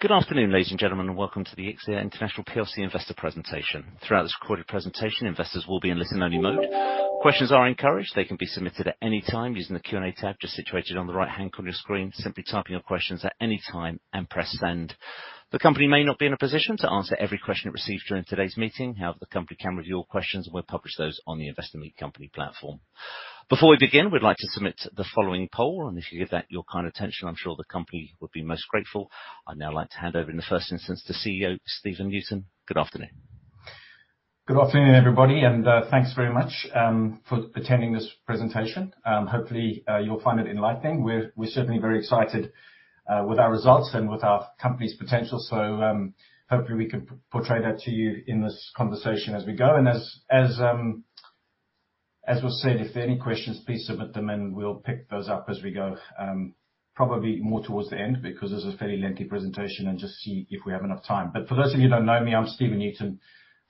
Good afternoon, ladies and gentlemen, and welcome to the Elixirr International plc Investor presentation. Throughout this recorded presentation, investors will be in listen-only mode. Questions are encouraged. They can be submitted at any time using the Q&A tab just situated on the right-hand corner of your screen. Simply type in your questions at any time and press send. The company may not be in a position to answer every question it received during today's meeting. However, the company can review all questions, and we'll publish those on the Investor Meet Company platform. Before we begin, we'd like to submit the following poll, and if you give that your kind attention, I'm sure the company would be most grateful. I'd now like to hand over, in the first instance, to CEO Stephen Newton. Good afternoon. Good afternoon, everybody, and thanks very much for attending this presentation. Hopefully, you'll find it enlightening. We're certainly very excited with our results and with our company's potential, so hopefully we can portray that to you in this conversation as we go. And as was said, if there are any questions, please submit them, and we'll pick those up as we go, probably more towards the end because this is a fairly lengthy presentation, and just see if we have enough time. But for those of you who don't know me, I'm Stephen Newton,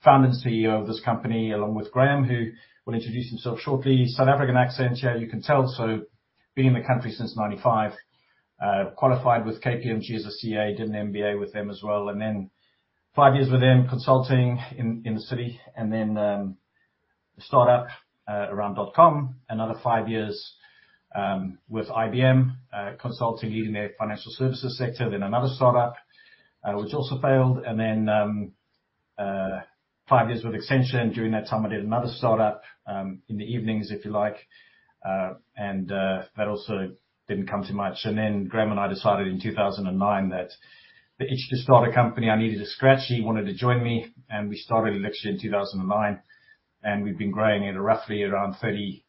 Founder and CEO of this company, along with Graham, who will introduce himself shortly. South African accent, yeah, you can tell, so been in the country since 1995, qualified with KPMG as a CA, did an MBA with them as well, and then five years with them consulting in, in the city, and then a startup, around dot com. Another five years with IBM, consulting, leading their financial services sector, then another startup, which also failed. Then five years with Accenture, and during that time I did another startup, in the evenings, if you like, and that also didn't come to much. Then Graham and I decided in 2009 that the itch to start a company I needed a scratch, he wanted to join me, and we started Elixirr in 2009. And we've been growing at a roughly around 30,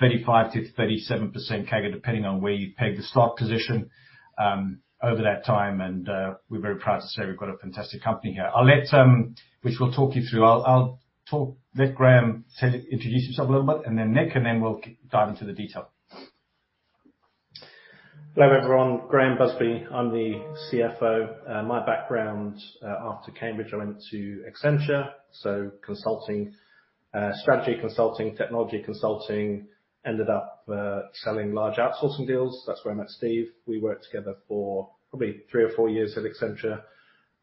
35%-37% CAGR, depending on where you peg the stock position, over that time. We're very proud to say we've got a fantastic company here, which we'll talk you through. I'll let Graham introduce himself a little bit, and then Nick, and then we'll dive into the detail. Hello, everyone. Graham Busby. I'm the CFO. My background, after Cambridge, I went to Accenture, so consulting, strategy consulting, technology consulting, ended up selling large outsourcing deals. That's where I met Steve. We worked together for probably three or four years at Accenture,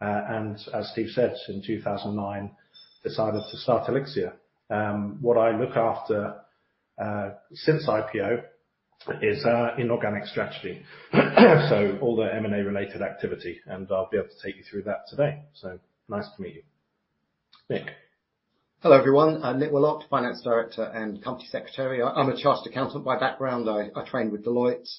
and, as Steve said, in 2009, decided to start Elixirr. What I look after, since IPO is, inorganic strategy, so all the M&A-related activity, and I'll be able to take you through that today. So nice to meet you. Nick. Hello, everyone. Nick Willott, Finance Director and Company Secretary. I'm a chartered accountant by background. I trained with Deloitte.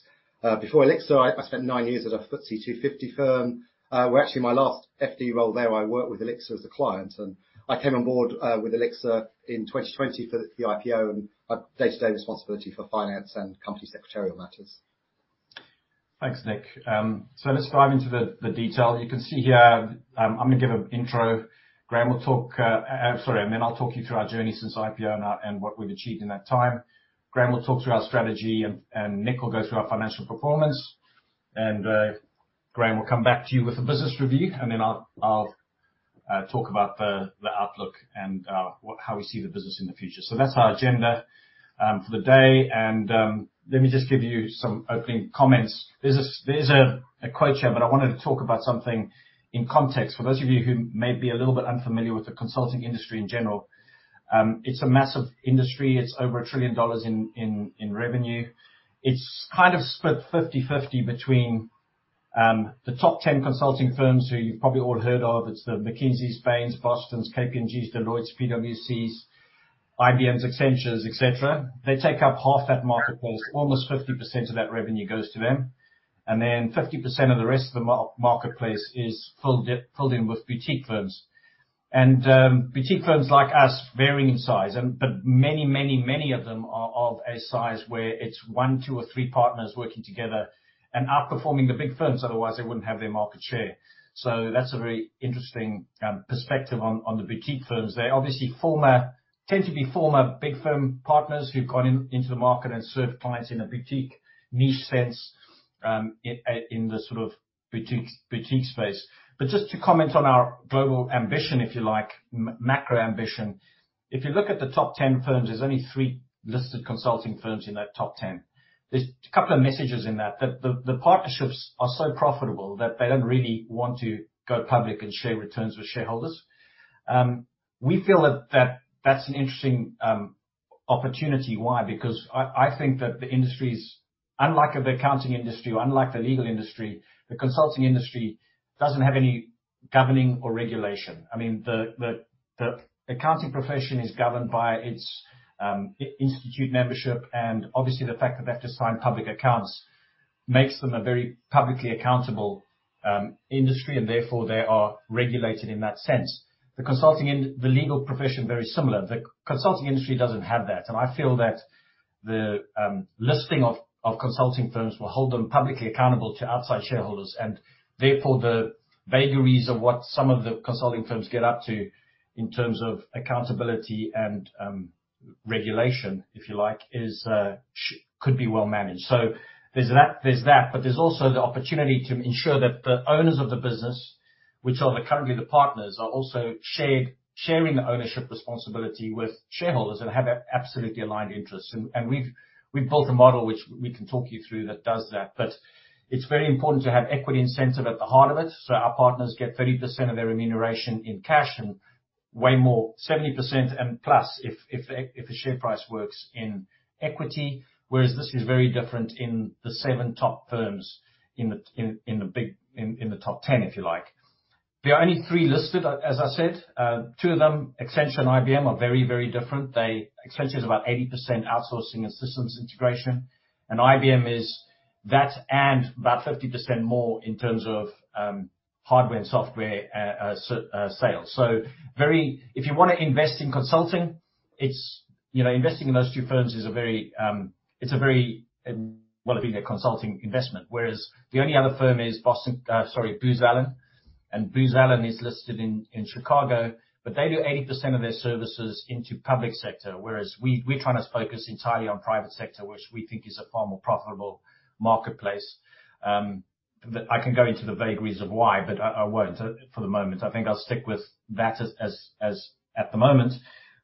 Before Elixirr, I spent nine years at a FTSE 250 firm. Where, actually, my last FD role there. I worked with Elixirr as a client, and I came on board with Elixirr in 2020 for the IPO, and I've day-to-day responsibility for finance and company secretarial matters. Thanks, Nick. So let's dive into the detail. You can see here, I'm gonna give an intro. Graham will talk, sorry, and then I'll talk you through our journey since IPO and what we've achieved in that time. Graham will talk through our strategy, and Nick will go through our financial performance. Graham will come back to you with a business review, and then I'll talk about the outlook and how we see the business in the future. So that's our agenda for the day. Let me just give you some opening comments. There's a quote here, but I wanted to talk about something in context. For those of you who may be a little bit unfamiliar with the consulting industry in general, it's a massive industry. It's over $1 trillion in revenue. It's kind of split 50/50 between the top 10 consulting firms who you've probably all heard of. It's the McKinseys, Bains, Bostons, KPMGs, Deloittes, PwCs, IBMs, Accentures, etc. They take up half that marketplace. Almost 50% of that revenue goes to them, and then 50% of the rest of the marketplace is filled in with boutique firms. Boutique firms like us, varying in size, but many, many, many of them are of a size where it's one, two, or three partners working together and outperforming the big firms. Otherwise, they wouldn't have their market share. So that's a very interesting perspective on the boutique firms. They obviously tend to be former big firm partners who've gone into the market and served clients in a boutique niche sense, in the sort of boutique space. But just to comment on our global ambition, if you like, macro ambition, if you look at the top 10 firms, there's only three listed consulting firms in that top 10. There's a couple of messages in that. The partnerships are so profitable that they don't really want to go public and share returns with shareholders. We feel that that's an interesting opportunity. Why? Because I think that the industry's unlike of the accounting industry or unlike the legal industry, the consulting industry doesn't have any governing or regulation. I mean, the accounting profession is governed by its institute membership, and obviously the fact that they have to sign public accounts makes them a very publicly accountable industry, and therefore they are regulated in that sense. The consulting industry and the legal profession, very similar. The consulting industry doesn't have that, and I feel that the listing of consulting firms will hold them publicly accountable to outside shareholders, and therefore the vagaries of what some of the consulting firms get up to in terms of accountability and regulation, if you like, should be well managed. So there's that. There's that. But there's also the opportunity to ensure that the owners of the business, which are currently the partners, are also sharing the ownership responsibility with shareholders and have absolutely aligned interests. And we've built a model which we can talk you through that does that. But it's very important to have equity incentive at the heart of it. So our partners get 30% of their remuneration in cash and way more 70% and plus if the share price works in equity, whereas this is very different in the 7 top firms in the top 10, if you like. There are only 3 listed, as I said. Two of them, Accenture and IBM, are very different. Accenture's about 80% outsourcing and systems integration, and IBM is that and about 50% more in terms of hardware and software sales. So if you wanna invest in consulting, it's, you know, investing in those two firms is a very, well, it'd be their consulting investment, whereas the only other firm is Boston, sorry, Booz Allen. And Booz Allen is listed in Chicago, but they do 80% of their services into public sector, whereas we, we're trying to focus entirely on private sector, which we think is a far more profitable marketplace. I can go into the vagaries of why, but I won't, for the moment. I think I'll stick with that as at the moment.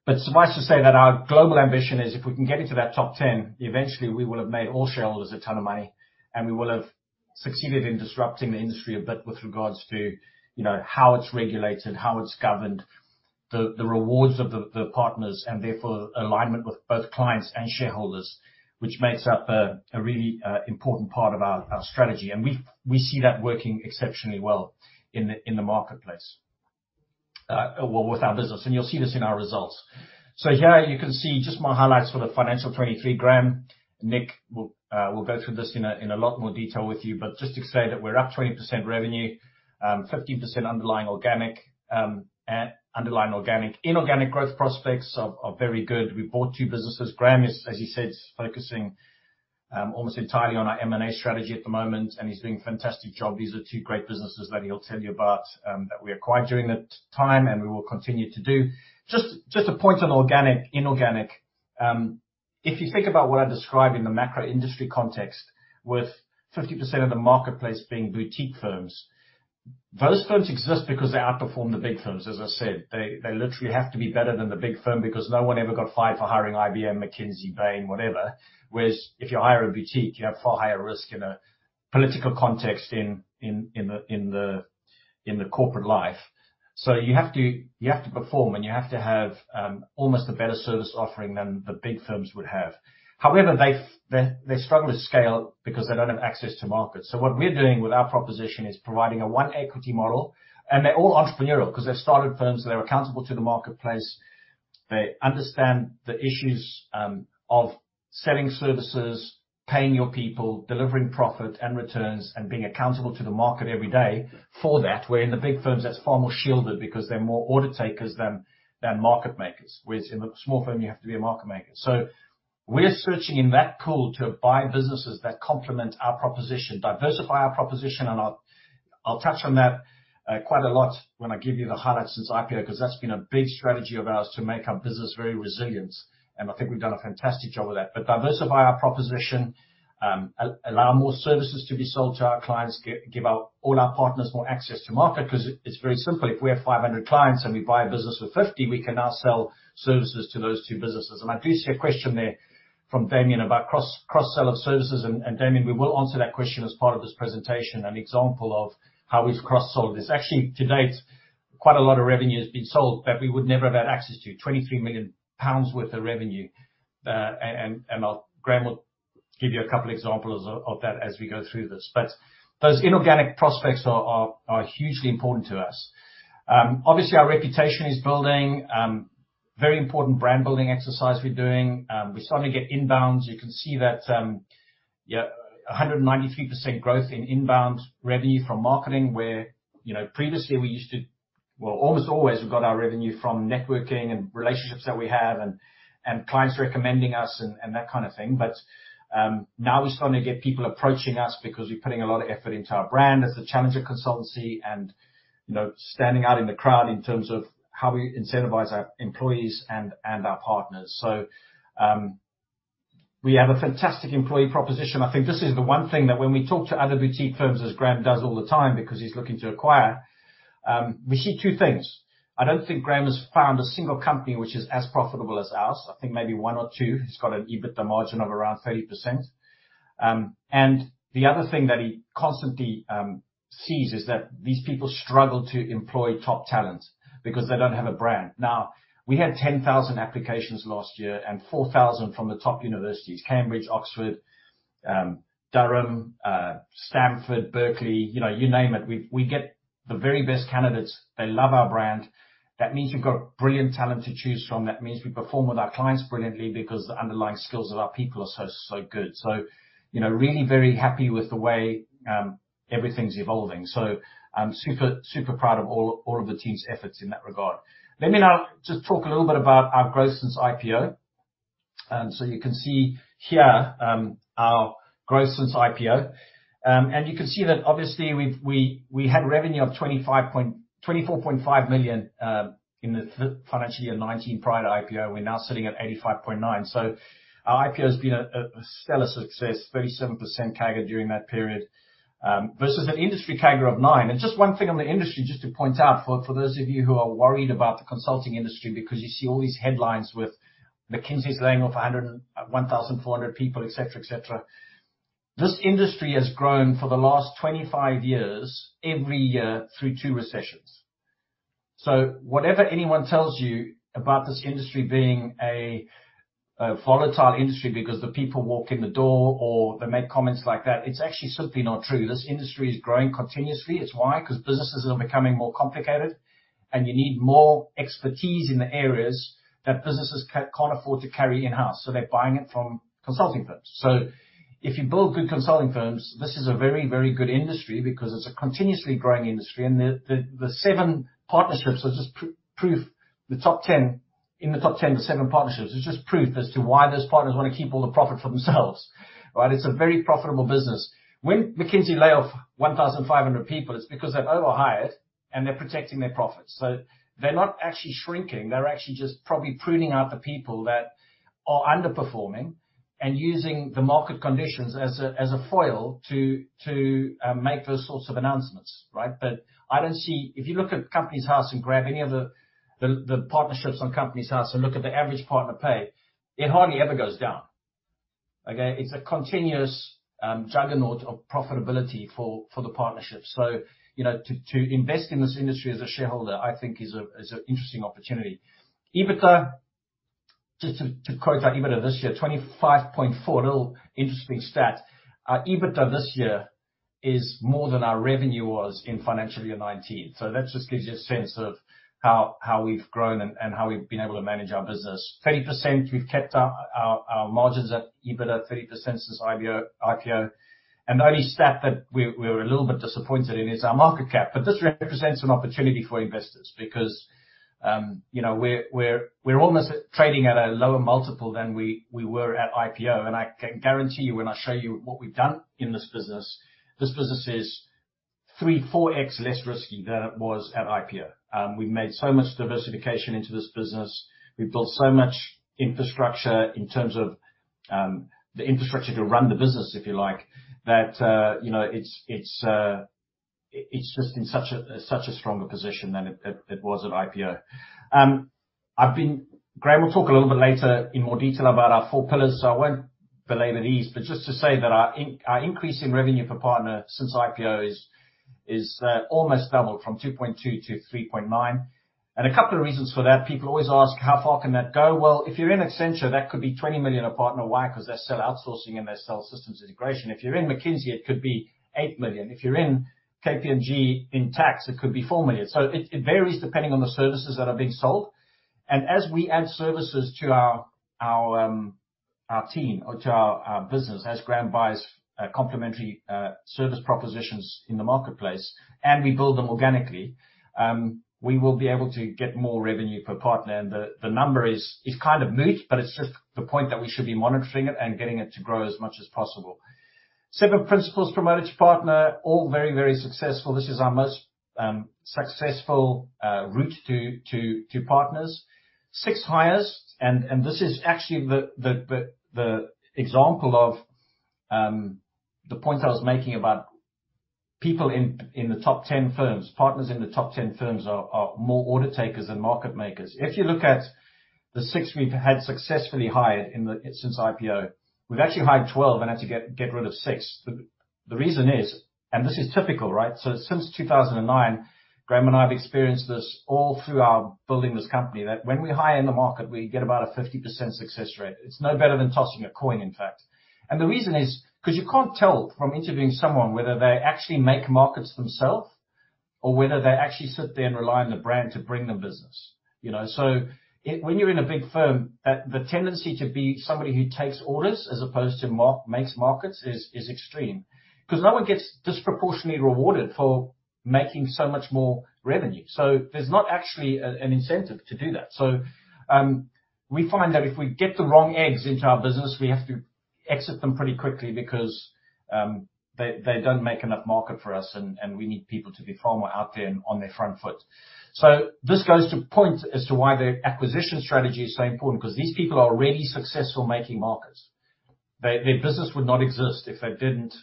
But suffice to say that our global ambition is if we can get into that top 10, eventually we will have made all shareholders a ton of money, and we will have succeeded in disrupting the industry a bit with regards to, you know, how it's regulated, how it's governed, the rewards of the partners, and therefore alignment with both clients and shareholders, which makes up a really important part of our strategy. We see that working exceptionally well in the marketplace, well, with our business, and you'll see this in our results. Here you can see just my highlights for the financial 2023. Graham, Nick will go through this in a lot more detail with you, but just to say that we're up 20% revenue, 15% underlying organic. Inorganic growth prospects are very good. We bought two businesses. Graham is, as he said, focusing almost entirely on our M&A strategy at the moment, and he's doing a fantastic job. These are two great businesses that he'll tell you about, that we acquired during the time, and we will continue to do. Just to point on organic, inorganic, if you think about what I describe in the macro industry context with 50% of the marketplace being boutique firms, those firms exist because they outperform the big firms. As I said, they literally have to be better than the big firm because no one ever got fired for hiring IBM, McKinsey, Bain, whatever, whereas if you hire a boutique, you have far higher risk in a political context in the corporate life. So you have to perform, and you have to have almost a better service offering than the big firms would have. However, they struggle to scale because they don't have access to markets. So what we're doing with our proposition is providing a one-equity model, and they're all entrepreneurial 'cause they've started firms that are accountable to the marketplace. They understand the issues, of selling services, paying your people, delivering profit and returns, and being accountable to the market every day. For that, where in the big firms, that's far more shielded because they're more order takers than, than market makers, whereas in the small firm, you have to be a market maker. So we're searching in that pool to buy businesses that complement our proposition, diversify our proposition, and I'll, I'll touch on that, quite a lot when I give you the highlights since IPO 'cause that's been a big strategy of ours to make our business very resilient, and I think we've done a fantastic job with that. But diversify our proposition, allow more services to be sold to our clients, give all our partners more access to market 'cause it's very simple. If we have 500 clients and we buy a business with 50, we can now sell services to those two businesses. And I do see a question there from Damien about cross-sell of services, and Damien, we will answer that question as part of this presentation, an example of how we've cross-sold this. Actually, to date, quite a lot of revenue has been sold that we would never have had access to, 23 million pounds worth of revenue, and I'll Graham will give you a couple of examples of that as we go through this. But those inorganic prospects are hugely important to us. Obviously, our reputation is building, very important brand-building exercise we're doing. We suddenly get inbounds. You can see that, yeah, 193% growth in inbound revenue from marketing where, you know, previously we used to well, almost always we got our revenue from networking and relationships that we have and, and clients recommending us and, and that kind of thing. But now we suddenly get people approaching us because we're putting a lot of effort into our brand as a challenger consultancy and, you know, standing out in the crowd in terms of how we incentivize our employees and, and our partners. So, we have a fantastic employee proposition. I think this is the one thing that when we talk to other boutique firms, as Graham does all the time because he's looking to acquire, we see two things. I don't think Graham has found a single company which is as profitable as ours. I think maybe one or two. He's got an EBITDA margin of around 30%. And the other thing that he constantly sees is that these people struggle to employ top talent because they don't have a brand. Now, we had 10,000 applications last year and 4,000 from the top universities, Cambridge, Oxford, Durham, Stanford, Berkeley, you know, you name it. We get the very best candidates. They love our brand. That means we've got brilliant talent to choose from. That means we perform with our clients brilliantly because the underlying skills of our people are so, so good. So, you know, really very happy with the way everything's evolving. So, super, super proud of all, all of the team's efforts in that regard. Let me now just talk a little bit about our growth since IPO. So you can see here, our growth since IPO. You can see that obviously we had revenue of 25.245 million in the financial year 2019 prior to IPO. We're now sitting at 85.9 million. So our IPO's been a stellar success, 37% CAGR during that period, versus an industry CAGR of 9%. And just one thing on the industry just to point out for those of you who are worried about the consulting industry because you see all these headlines with McKinsey's laying off 100 and 1,400 people, etc., etc., this industry has grown for the last 25 years every year through two recessions. So whatever anyone tells you about this industry being a volatile industry because the people walk in the door or they make comments like that, it's actually simply not true. This industry is growing continuously. It's why? 'Cause businesses are becoming more complicated, and you need more expertise in the areas that businesses can't afford to carry in-house, so they're buying it from consulting firms. So if you build good consulting firms, this is a very, very good industry because it's a continuously growing industry, and the seven partnerships are just proof the top 10 in the top 10, the seven partnerships is just proof as to why those partners wanna keep all the profit for themselves, right? It's a very profitable business. When McKinsey lay off 1,500 people, it's because they've overhired and they're protecting their profits. So they're not actually shrinking. They're actually just probably pruning out the people that are underperforming and using the market conditions as a foil to make those sorts of announcements, right? But I don't see if you look at Companies House and grab any of the partnerships on Companies House and look at the average partner pay, it hardly ever goes down, okay? It's a continuous juggernaut of profitability for the partnership. So, you know, to invest in this industry as a shareholder, I think, is an interesting opportunity. EBITDA just to quote our EBITDA this year, 25.4, a little interesting stat. Our EBITDA this year is more than our revenue was in financial year 2019. So that just gives you a sense of how we've grown and how we've been able to manage our business. 30%, we've kept our margins at EBITDA 30% since our IPO. The only stat that we're a little bit disappointed in is our market cap, but this represents an opportunity for investors because, you know, we're almost trading at a lower multiple than we were at IPO. And I can guarantee you when I show you what we've done in this business, this business is 3-4x less risky than it was at IPO. We've made so much diversification into this business. We've built so much infrastructure in terms of the infrastructure to run the business, if you like, that, you know, it's just in such a stronger position than it was at IPO. Graham will talk a little bit later in more detail about our four pillars, so I won't belabor these. But just to say that our increase in revenue per partner since IPO is almost doubled from 2.2 to 3.9. And a couple of reasons for that. People always ask, "How far can that go?" Well, if you're in Accenture, that could be 20 million a partner. Why? 'Cause they sell outsourcing and they sell systems integration. If you're in McKinsey, it could be 8 million. If you're in KPMG in tax, it could be 4 million. So it varies depending on the services that are being sold. And as we add services to our team or to our business, as Graham buys complementary service propositions in the marketplace and we build them organically, we will be able to get more revenue per partner. The number is kind of moot, but it's just the point that we should be monitoring it and getting it to grow as much as possible. 7 principals promoted to partner, all very successful. This is our most successful route to partners. 6 hires, and this is actually the example of the point I was making about people in the top 10 firms. Partners in the top 10 firms are more order takers than market makers. If you look at the 6 we've had successfully hired since IPO, we've actually hired 12 and had to get rid of 6. The reason is and this is typical, right? So since 2009, Graham and I have experienced this all through our building this company, that when we hire in the market, we get about a 50% success rate. It's no better than tossing a coin, in fact. And the reason is 'cause you can't tell from interviewing someone whether they actually make markets themself or whether they actually sit there and rely on the brand to bring them business, you know? So when you're in a big firm, that the tendency to be somebody who takes orders as opposed to makes markets is extreme 'cause no one gets disproportionately rewarded for making so much more revenue. So there's not actually an incentive to do that. So, we find that if we get the wrong eggs into our business, we have to exit them pretty quickly because, they, they don't make enough market for us, and, and we need people to be far more out there and on their front foot. So this goes to point as to why the acquisition strategy is so important 'cause these people are already successful making markets. They, their business would not exist if they didn't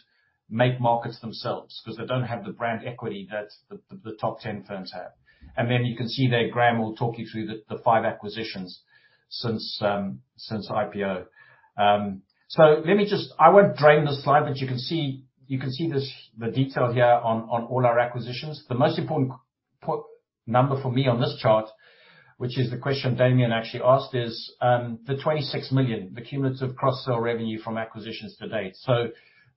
make markets themselves 'cause they don't have the brand equity that the, the, the top 10 firms have. And then you can see there, Graham will talk you through the, the 5 acquisitions since, since IPO. So let me just, I won't dwell on this slide, but you can see you can see this the detail here on, on all our acquisitions. The most important point number for me on this chart, which is the question Damien actually asked, is the 26 million, the cumulative cross-sell revenue from acquisitions to date. So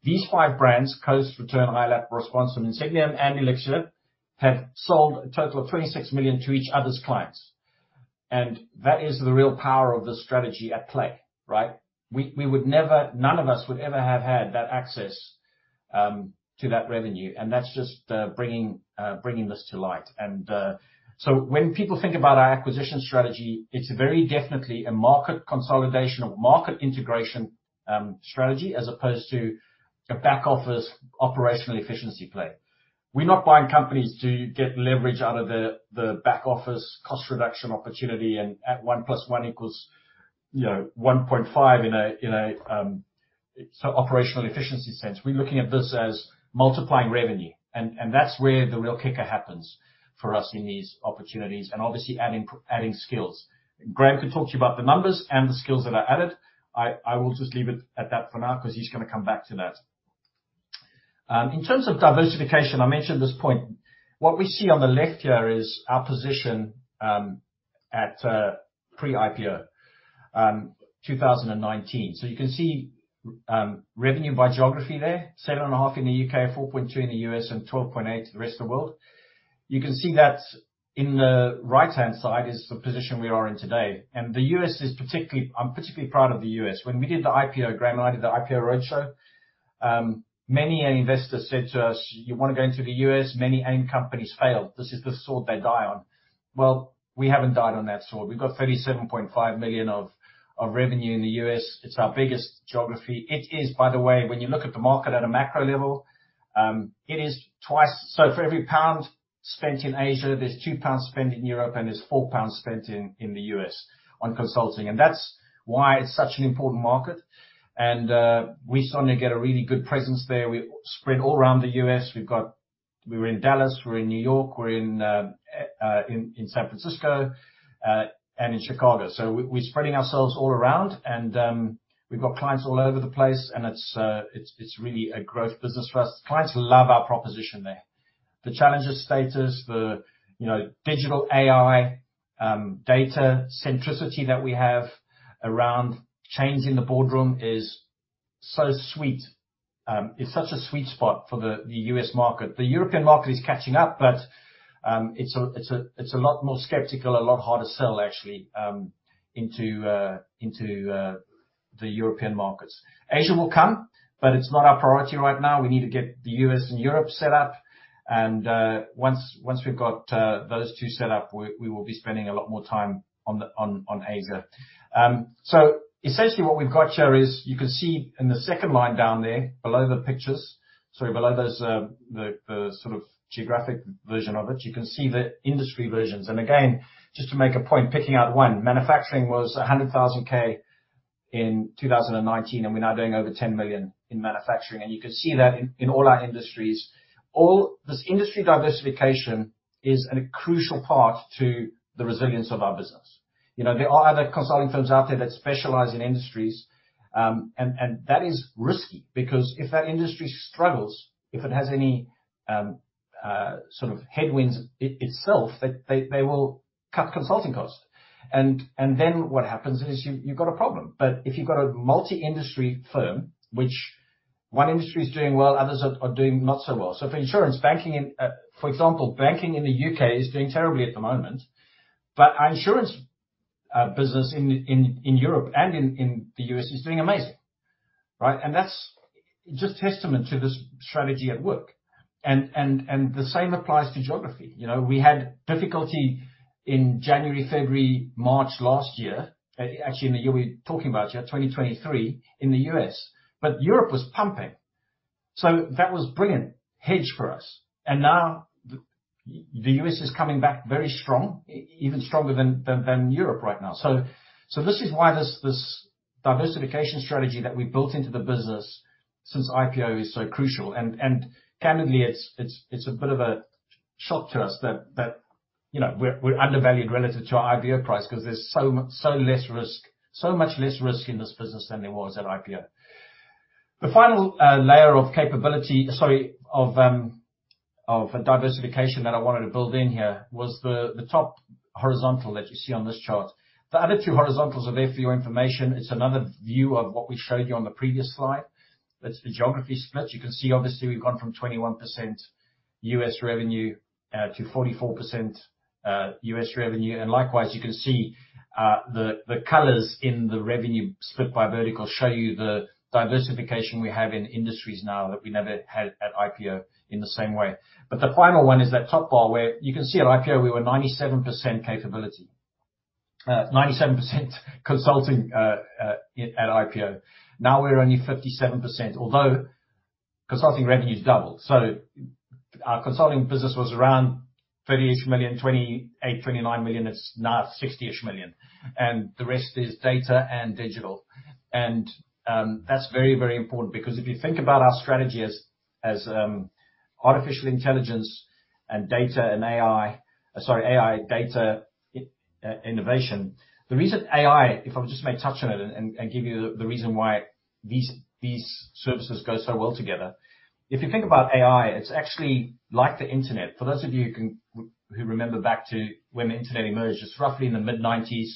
these five brands, Coast, Retearn, iOLAP, Responsum, Insigniam, and Elixirr, have sold a total of 26 million to each other's clients. And that is the real power of the strategy at play, right? We would never, none of us would ever have had that access to that revenue. And that's just bringing this to light. So when people think about our acquisition strategy, it's very definitely a market consolidation or market integration strategy as opposed to a back office operational efficiency plan. We're not buying companies to get leverage out of the back office cost reduction opportunity and at one plus one equals, you know, 1.5 in an operational efficiency sense. We're looking at this as multiplying revenue. And that's where the real kicker happens for us in these opportunities and obviously adding skills. Graham could talk to you about the numbers and the skills that are added. I will just leave it at that for now 'cause he's gonna come back to that. In terms of diversification, I mentioned this point. What we see on the left here is our position at pre-IPO, 2019. So you can see, revenue by geography there, 7.5 million in the UK, 4.2 million in the US, and 12.8 million the rest of the world. You can see that in the right-hand side is the position we are in today. And the US is particularly I'm particularly proud of the US. When we did the IPO, Graham and I did the IPO roadshow, many investors said to us, "You wanna go into the US? Many AIM companies failed. This is the sword they die on." Well, we haven't died on that sword. We've got 37.5 million of, of revenue in the US. It's our biggest geography. It is, by the way, when you look at the market at a macro level, it is twice so for every pound spent in Asia, there's 2 pounds spent in Europe, and there's 4 pounds spent in the US on consulting. That's why it's such an important market. We suddenly get a really good presence there. We spread all around the US. We've got we were in Dallas. We're in New York. We're in San Francisco, and in Chicago. So we, we're spreading ourselves all around. We've got clients all over the place, and it's really a growth business for us. Clients love our proposition there. The challenger status, you know, digital AI, data centricity that we have around change in the boardroom is so sweet. It's such a sweet spot for the U.S. market. The European market is catching up, but it's a lot more skeptical, a lot harder sell, actually, into the European markets. Asia will come, but it's not our priority right now. We need to get the U.S. and Europe set up. And once we've got those two set up, we will be spending a lot more time on Asia. So essentially what we've got here is you can see in the second line down there below the pictures, sorry, below those, the sort of geographic version of it, you can see the industry versions. Again, just to make a point, picking out one, manufacturing was 100,000 in 2019, and we're now doing over 10 million in manufacturing. You can see that in all our industries, all this industry diversification is a crucial part to the resilience of our business. You know, there are other consulting firms out there that specialize in industries, and that is risky because if that industry struggles, if it has any sort of headwinds itself, they will cut consulting costs. And then what happens is you, you've got a problem. But if you've got a multi-industry firm, which one industry's doing well, others are doing not so well. So for insurance, banking in, for example, banking in the UK is doing terribly at the moment, but our insurance business in Europe and in the US is doing amazing, right? And that's just testament to this strategy at work. And the same applies to geography. You know, we had difficulty in January, February, March last year actually, in the year we were talking about here, 2023, in the US, but Europe was pumping. So that was brilliant hedge for us. And now the US is coming back very strong, even stronger than Europe right now. So this is why this diversification strategy that we built into the business since IPO is so crucial. Candidly, it's a bit of a shock to us that, you know, we're undervalued relative to our IPO price 'cause there's so much less risk in this business than there was at IPO. The final layer of capability, sorry, of diversification that I wanted to build in here was the top horizontal that you see on this chart. The other two horizontals are there for your information. It's another view of what we showed you on the previous slide. It's the geography split. You can see, obviously, we've gone from 21% U.S. revenue to 44% U.S. revenue. Likewise, you can see the colors in the revenue split by vertical show you the diversification we have in industries now that we never had at IPO in the same way. But the final one is that top bar where you can see at IPO, we were 97% capability, 97% consulting at IPO. Now we're only 57%, although consulting revenue's doubled. So our consulting business was around 30-ish million, 28 million, 29 million. It's now 60-ish million. And the rest is data and digital. And that's very, very important because if you think about our strategy as artificial intelligence and data and AI, sorry, AI, data, AI innovation, the reason AI if I would just may touch on it and give you the reason why these services go so well together. If you think about AI, it's actually like the internet. For those of you who can remember back to when the internet emerged, it's roughly in the mid-1990s.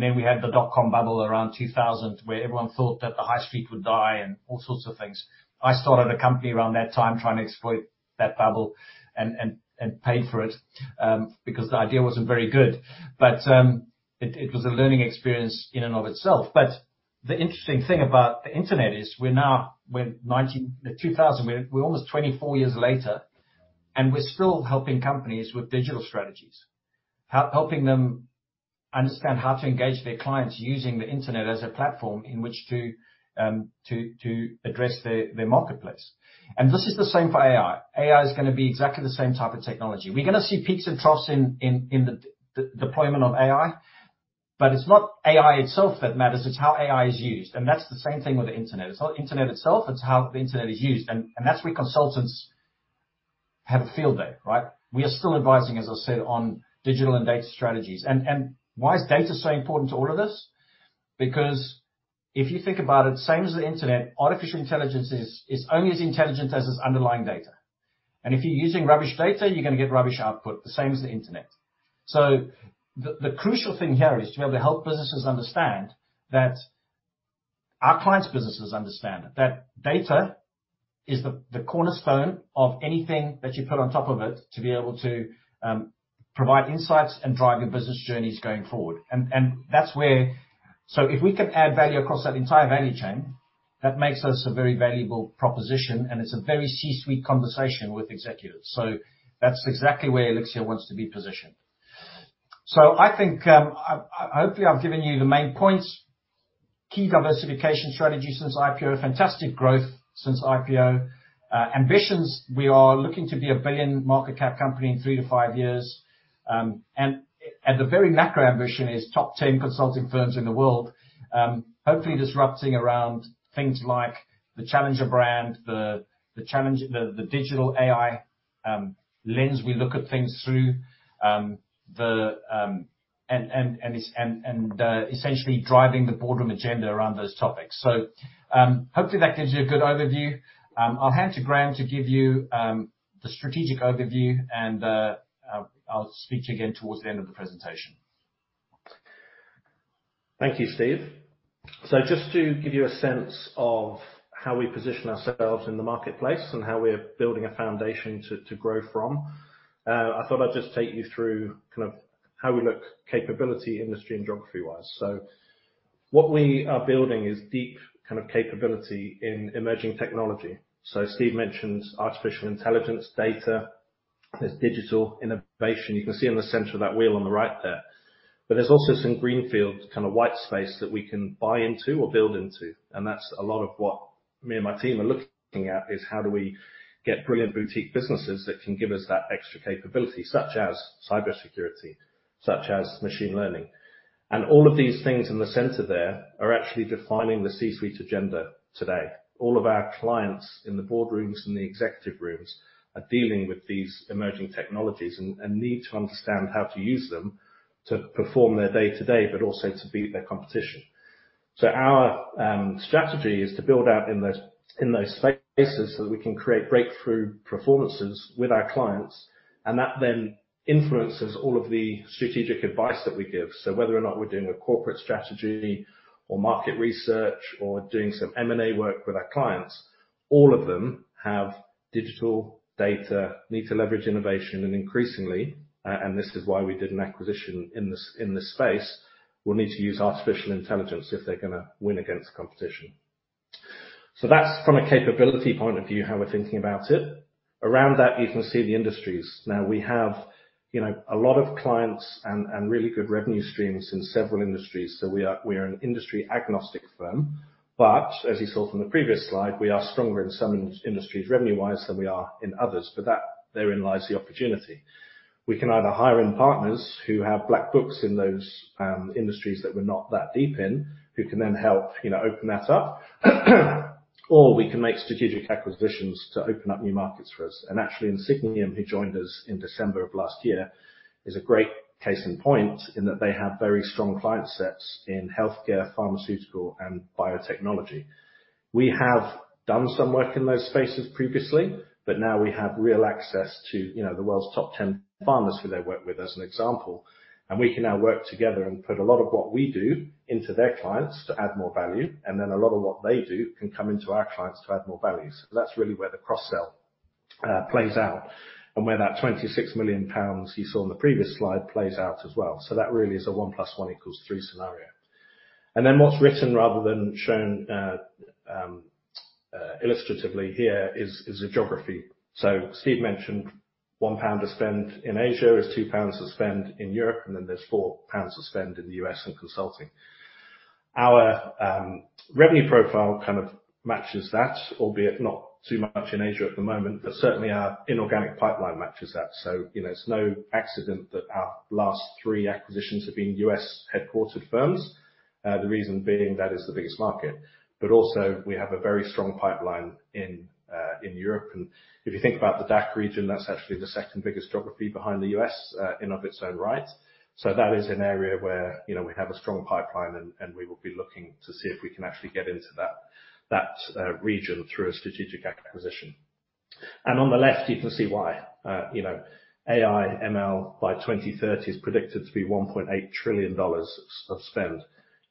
Then we had the dot-com bubble around 2000 where everyone thought that the high street would die and all sorts of things. I started a company around that time trying to exploit that bubble and paid for it, because the idea wasn't very good. But it was a learning experience in and of itself. But the interesting thing about the internet is we're now in 2000. We're almost 24 years later, and we're still helping companies with digital strategies, helping them understand how to engage their clients using the internet as a platform in which to address their marketplace. And this is the same for AI. AI is gonna be exactly the same type of technology. We're gonna see peaks and troughs in the deployment of AI, but it's not AI itself that matters. It's how AI is used. That's the same thing with the internet. It's not the internet itself. It's how the internet is used. And that's where consultants have a field day there, right? We are still advising, as I said, on digital and data strategies. And why is data so important to all of this? Because if you think about it, same as the internet, artificial intelligence is only as intelligent as its underlying data. And if you're using rubbish data, you're gonna get rubbish output the same as the internet. So the crucial thing here is to be able to help our clients' businesses understand that data is the cornerstone of anything that you put on top of it to be able to provide insights and drive your business journeys going forward. That's where, so if we can add value across that entire value chain, that makes us a very valuable proposition, and it's a very C-suite conversation with executives. So that's exactly where Elixirr wants to be positioned. So I think, I, I hopefully I've given you the main points. Key diversification strategy since IPO, fantastic growth since IPO. Ambitions, we are looking to be a 1 billion market cap company in three to five years. And I at the very macro ambition is top 10 consulting firms in the world, hopefully disrupting around things like the challenger brand, the challenge, the digital AI lens we look at things through, and essentially driving the boardroom agenda around those topics. So, hopefully that gives you a good overview. I'll hand to Graham to give you the strategic overview, and I'll speak to you again towards the end of the presentation. Thank you, Steve. So just to give you a sense of how we position ourselves in the marketplace and how we're building a foundation to grow from, I thought I'd just take you through kind of how we look capability industry and geography-wise. So what we are building is deep kind of capability in emerging technology. So Steve mentioned artificial intelligence, data. There's digital innovation. You can see in the center of that wheel on the right there. But there's also some greenfield kind of white space that we can buy into or build into. And that's a lot of what me and my team are looking at is how do we get brilliant boutique businesses that can give us that extra capability, such as cybersecurity, such as machine learning. And all of these things in the center there are actually defining the C-suite agenda today. All of our clients in the boardrooms and the executive rooms are dealing with these emerging technologies and need to understand how to use them to perform their day-to-day but also to beat their competition. So our strategy is to build out in those spaces so that we can create breakthrough performances with our clients, and that then influences all of the strategic advice that we give. So whether or not we're doing a corporate strategy or market research or doing some M&A work with our clients, all of them have digital data, need to leverage innovation, and increasingly, and this is why we did an acquisition in this space, will need to use artificial intelligence if they're gonna win against competition. So that's from a capability point of view how we're thinking about it. Around that, you can see the industries. Now, we have, you know, a lot of clients and really good revenue streams in several industries. So we are an industry agnostic firm. But as you saw from the previous slide, we are stronger in some industries revenue-wise than we are in others. But that therein lies the opportunity. We can either hire in partners who have black books in those industries that we're not that deep in who can then help, you know, open that up, or we can make strategic acquisitions to open up new markets for us. And actually, Insigniam, who joined us in December of last year, is a great case in point in that they have very strong client sets in healthcare, pharmaceutical, and biotechnology. We have done some work in those spaces previously, but now we have real access to, you know, the world's top 10 firms who they work with as an example. We can now work together and put a lot of what we do into their clients to add more value, and then a lot of what they do can come into our clients to add more value. So that's really where the cross-sell plays out and where that 26 million pounds you saw on the previous slide plays out as well. So that really is a one plus one equals three scenario. Then what's written rather than shown illustratively here is the geography. So Steve mentioned 1 pound to spend in Asia is 2 pounds to spend in Europe, and then there's 4 pounds to spend in the U.S. in consulting. Our revenue profile kind of matches that, albeit not too much in Asia at the moment, but certainly our inorganic pipeline matches that. So, you know, it's no accident that our last three acquisitions have been US-headquartered firms. The reason being that is the biggest market. But also, we have a very strong pipeline in, in Europe. And if you think about the DACH region, that's actually the second biggest geography behind the US, in of its own right. So that is an area where, you know, we have a strong pipeline, and, and we will be looking to see if we can actually get into that region through a strategic acquisition. And on the left, you can see why. You know, AI/ML by 2030 is predicted to be $1.8 trillion of spend,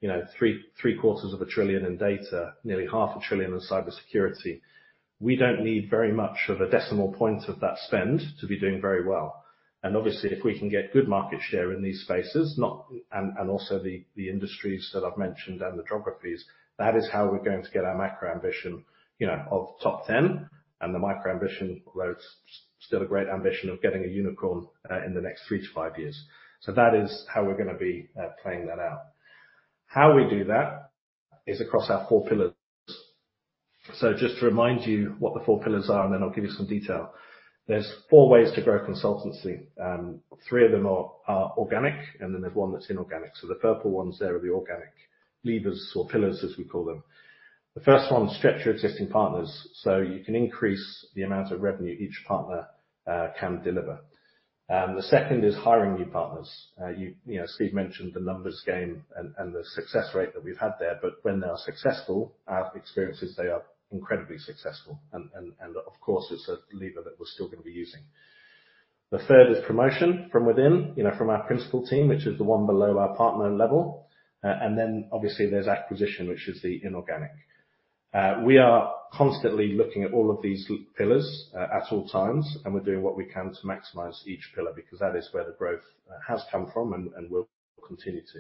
you know, three-quarters of a trillion in data, nearly half a trillion in cybersecurity. We don't need very much of a decimal point of that spend to be doing very well. Obviously, if we can get good market share in these spaces, and also the industries that I've mentioned and the geographies, that is how we're going to get our macro ambition, you know, of top 10 and the micro ambition, although it's still a great ambition of getting a unicorn, in the next three to five years. That is how we're gonna be playing that out. How we do that is across our four pillars. Just to remind you what the four pillars are, and then I'll give you some detail. There's four ways to grow consultancy. Three of them are organic, and then there's one that's inorganic. So the purple ones there are the organic levers or pillars, as we call them. The first one stretch your existing partners so you can increase the amount of revenue each partner can deliver. The second is hiring new partners. You know, Steve mentioned the numbers game and the success rate that we've had there. But when they are successful, our experience is they are incredibly successful. And, of course, it's a lever that we're still gonna be using. The third is promotion from within, you know, from our principal team, which is the one below our partner level. And then obviously, there's acquisition, which is the inorganic. We are constantly looking at all of these four pillars at all times, and we're doing what we can to maximize each pillar because that is where the growth has come from and will continue to.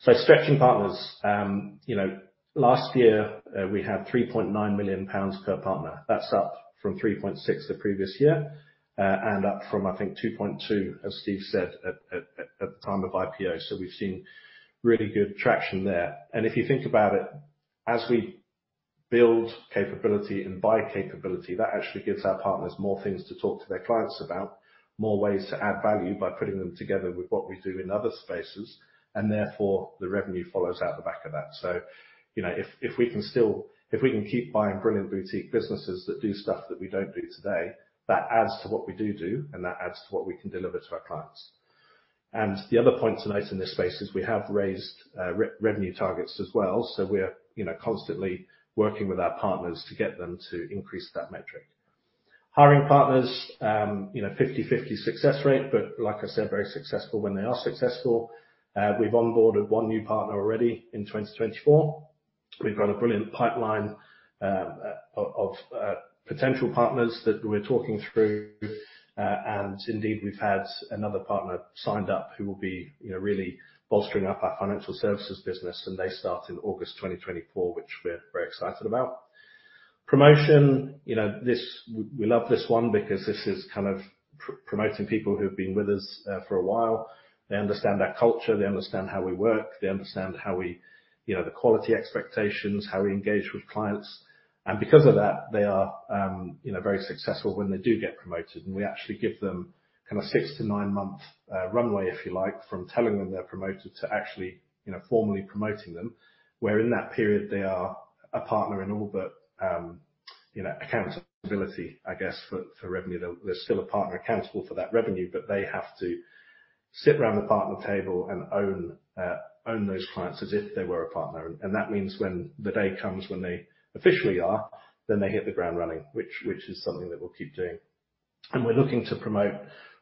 So stretching partners. You know, last year, we had 3.9 million pounds per partner. That's up from 3.6 the previous year, and up from, I think, 2.2, as Steve said, at the time of IPO. So we've seen really good traction there. And if you think about it, as we build capability and buy capability, that actually gives our partners more things to talk to their clients about, more ways to add value by putting them together with what we do in other spaces, and therefore, the revenue follows out the back of that. So, you know, if we can keep buying brilliant boutique businesses that do stuff that we don't do today, that adds to what we do, and that adds to what we can deliver to our clients. And the other point to note in this space is we have raised revenue targets as well. So we're, you know, constantly working with our partners to get them to increase that metric. Hiring partners, you know, 50/50 success rate, but like I said, very successful when they are successful. We've onboarded one new partner already in 2024. We've got a brilliant pipeline of potential partners that we're talking through. And indeed, we've had another partner signed up who will be, you know, really bolstering up our financial services business. And they start in August 2024, which we're very excited about. Promotion, you know, this we love this one because this is kind of promoting people who've been with us for a while. They understand our culture. They understand how we work. They understand how we, you know, the quality expectations, how we engage with clients. And because of that, they are, you know, very successful when they do get promoted. And we actually give them kind of 6-9-month runway, if you like, from telling them they're promoted to actually, you know, formally promoting them, where in that period, they are a partner in all but, you know, accountability, I guess, for revenue. They're still a partner accountable for that revenue, but they have to sit around the partner table and own those clients as if they were a partner. And that means when the day comes when they officially are, then they hit the ground running, which is something that we'll keep doing. And we're looking to promote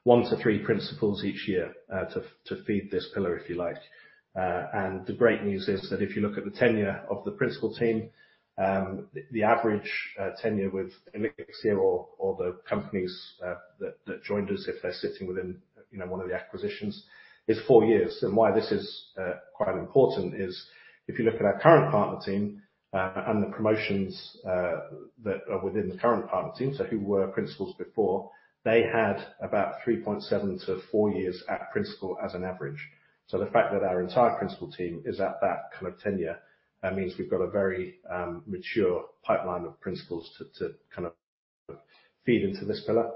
1-3 principals each year, to feed this pillar, if you like. and the great news is that if you look at the tenure of the principal team, the average tenure with Elixirr or the companies that joined us, if they're sitting within, you know, one of the acquisitions, is four years. And why this is quite important is if you look at our current partner team, and the promotions that are within the current partner team, so who were principals before, they had about 3.7-4 years at principal as an average. So the fact that our entire principal team is at that kind of tenure means we've got a very mature pipeline of principals to kind of feed into this pillar.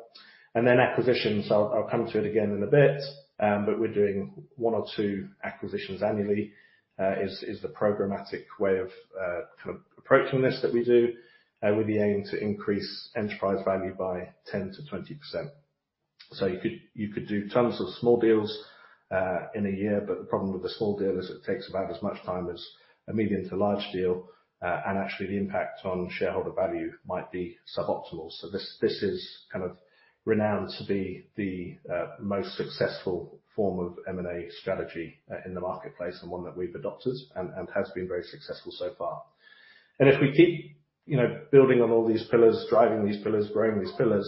And then acquisitions. I'll come to it again in a bit, but we're doing one or two acquisitions annually, is the programmatic way of kind of approaching this that we do, with the aim to increase enterprise value by 10%-20%. So you could do tons of small deals in a year, but the problem with the small deal is it takes about as much time as a medium to large deal, and actually, the impact on shareholder value might be suboptimal. So this is kind of renowned to be the most successful form of M&A strategy in the marketplace and one that we've adopted and has been very successful so far. And if we keep you know building on all these pillars, driving these pillars, growing these pillars,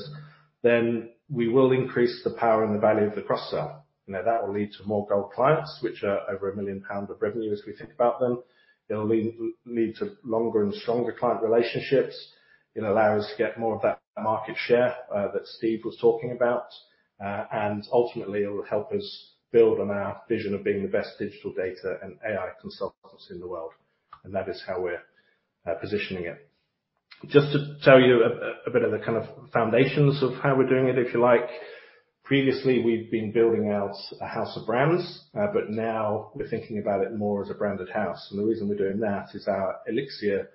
then we will increase the power and the value of the cross-sell. You know, that will lead to more gold clients, which are over 1 million pound of revenue as we think about them. It'll lead to longer and stronger client relationships. It'll allow us to get more of that market share, that Steve was talking about, and ultimately, it'll help us build on our vision of being the best digital data and AI consultants in the world. And that is how we're positioning it. Just to tell you a bit of the kind of foundations of how we're doing it, if you like. Previously, we've been building out a house of brands, but now, we're thinking about it more as a branded house. And the reason we're doing that is our Elixirr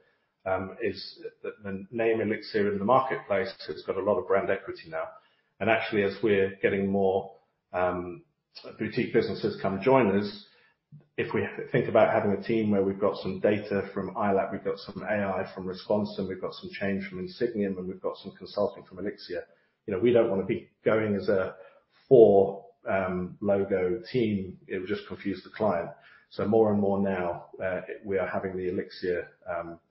is the name Elixirr in the marketplace, so it's got a lot of brand equity now. And actually, as we're getting more boutique businesses come join us, if we think about having a team where we've got some data from iOLAP, we've got some AI from Responsum, we've got some change from Insigniam, and we've got some consulting from Elixirr, you know, we don't want to be going as a four-logo team. It would just confuse the client. So more and more now, we are having the Elixirr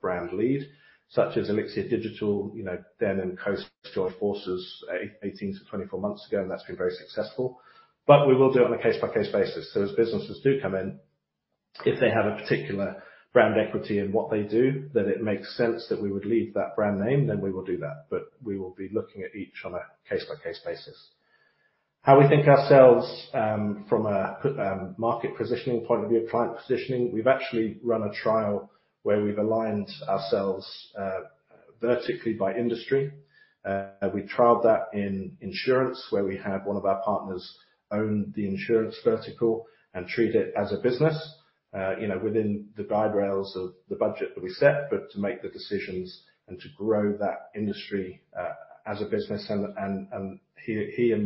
brand lead, such as Elixirr Digital, you know, Den and Coast, joined forces 18-24 months ago, and that's been very successful. But we will do it on a case-by-case basis. So as businesses do come in, if they have a particular brand equity in what they do, that it makes sense that we would leave that brand name, then we will do that. But we will be looking at each on a case-by-case basis. How we think ourselves, from a pure market positioning point of view, client positioning, we've actually run a trial where we've aligned ourselves vertically by industry. We trialed that in insurance, where we have one of our partners own the insurance vertical and treat it as a business, you know, within the guide rails of the budget that we set, but to make the decisions and to grow that industry as a business. And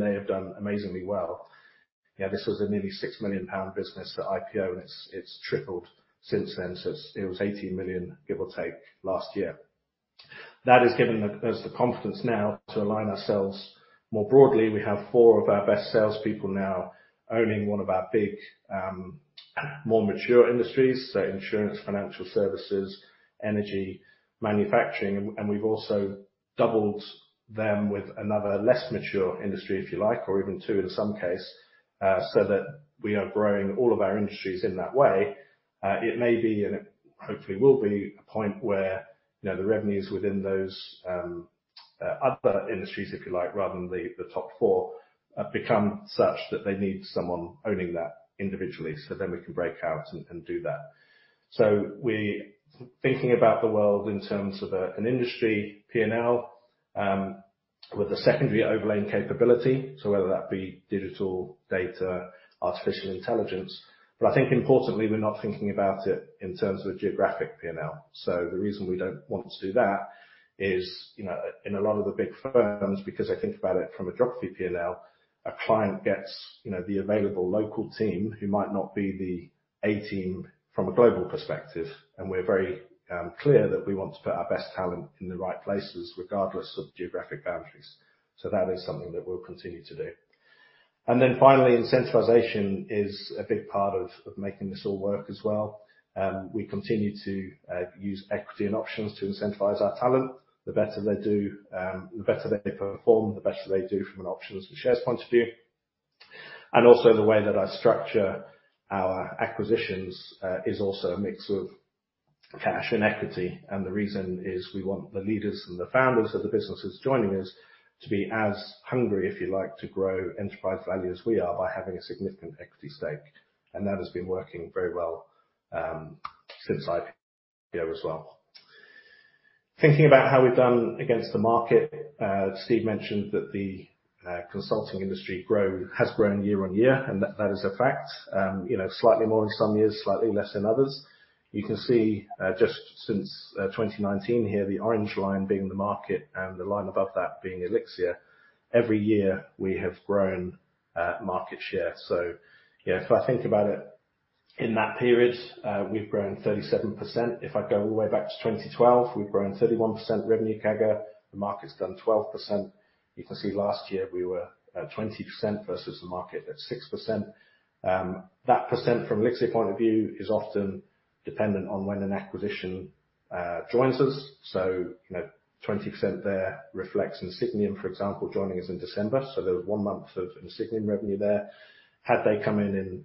they have done amazingly well. You know, this was a nearly 6 million pound business at IPO, and it's tripled since then. So it was 18 million, give or take, last year. That has given us the confidence now to align ourselves more broadly. We have four of our best salespeople now owning one of our big, more mature industries, so insurance, financial services, energy, manufacturing. We've also doubled them with another less mature industry, if you like, or even two in some case, so that we are growing all of our industries in that way. It may be, and it hopefully will be, a point where, you know, the revenues within those other industries, if you like, rather than the top four, become such that they need someone owning that individually, so then we can break out and do that. So we're thinking about the world in terms of an industry P&L, with a secondary overlaying capability, so whether that be digital, data, artificial intelligence. But I think, importantly, we're not thinking about it in terms of a geographic P&L. So the reason we don't want to do that is, you know, in a lot of the big firms, because I think about it from a geography P&L, a client gets, you know, the available local team who might not be the A team from a global perspective. And we're very clear that we want to put our best talent in the right places, regardless of geographic boundaries. So that is something that we'll continue to do. And then finally, incentivization is a big part of making this all work as well. We continue to use equity and options to incentivize our talent. The better they do, the better they perform, the better they do from an options and shares point of view. And also, the way that I structure our acquisitions is also a mix of cash and equity. And the reason is we want the leaders and the founders of the businesses joining us to be as hungry, if you like, to grow enterprise value as we are by having a significant equity stake. And that has been working very well, since IPO as well. Thinking about how we've done against the market, Steve mentioned that the consulting industry has grown year on year, and that is a fact. You know, slightly more in some years, slightly less in others. You can see, just since 2019 here, the orange line being the market and the line above that being Elixirr, every year, we have grown market share. So, you know, if I think about it in that period, we've grown 37%. If I go all the way back to 2012, we've grown 31% revenue CAGR. The market's done 12%. You can see last year, we were 20% versus the market at 6%. That percent from Elixirr point of view is often dependent on when an acquisition joins us. So, you know, 20% there reflects Insigniam, for example, joining us in December. So there was one month of Insigniam revenue there. Had they come in in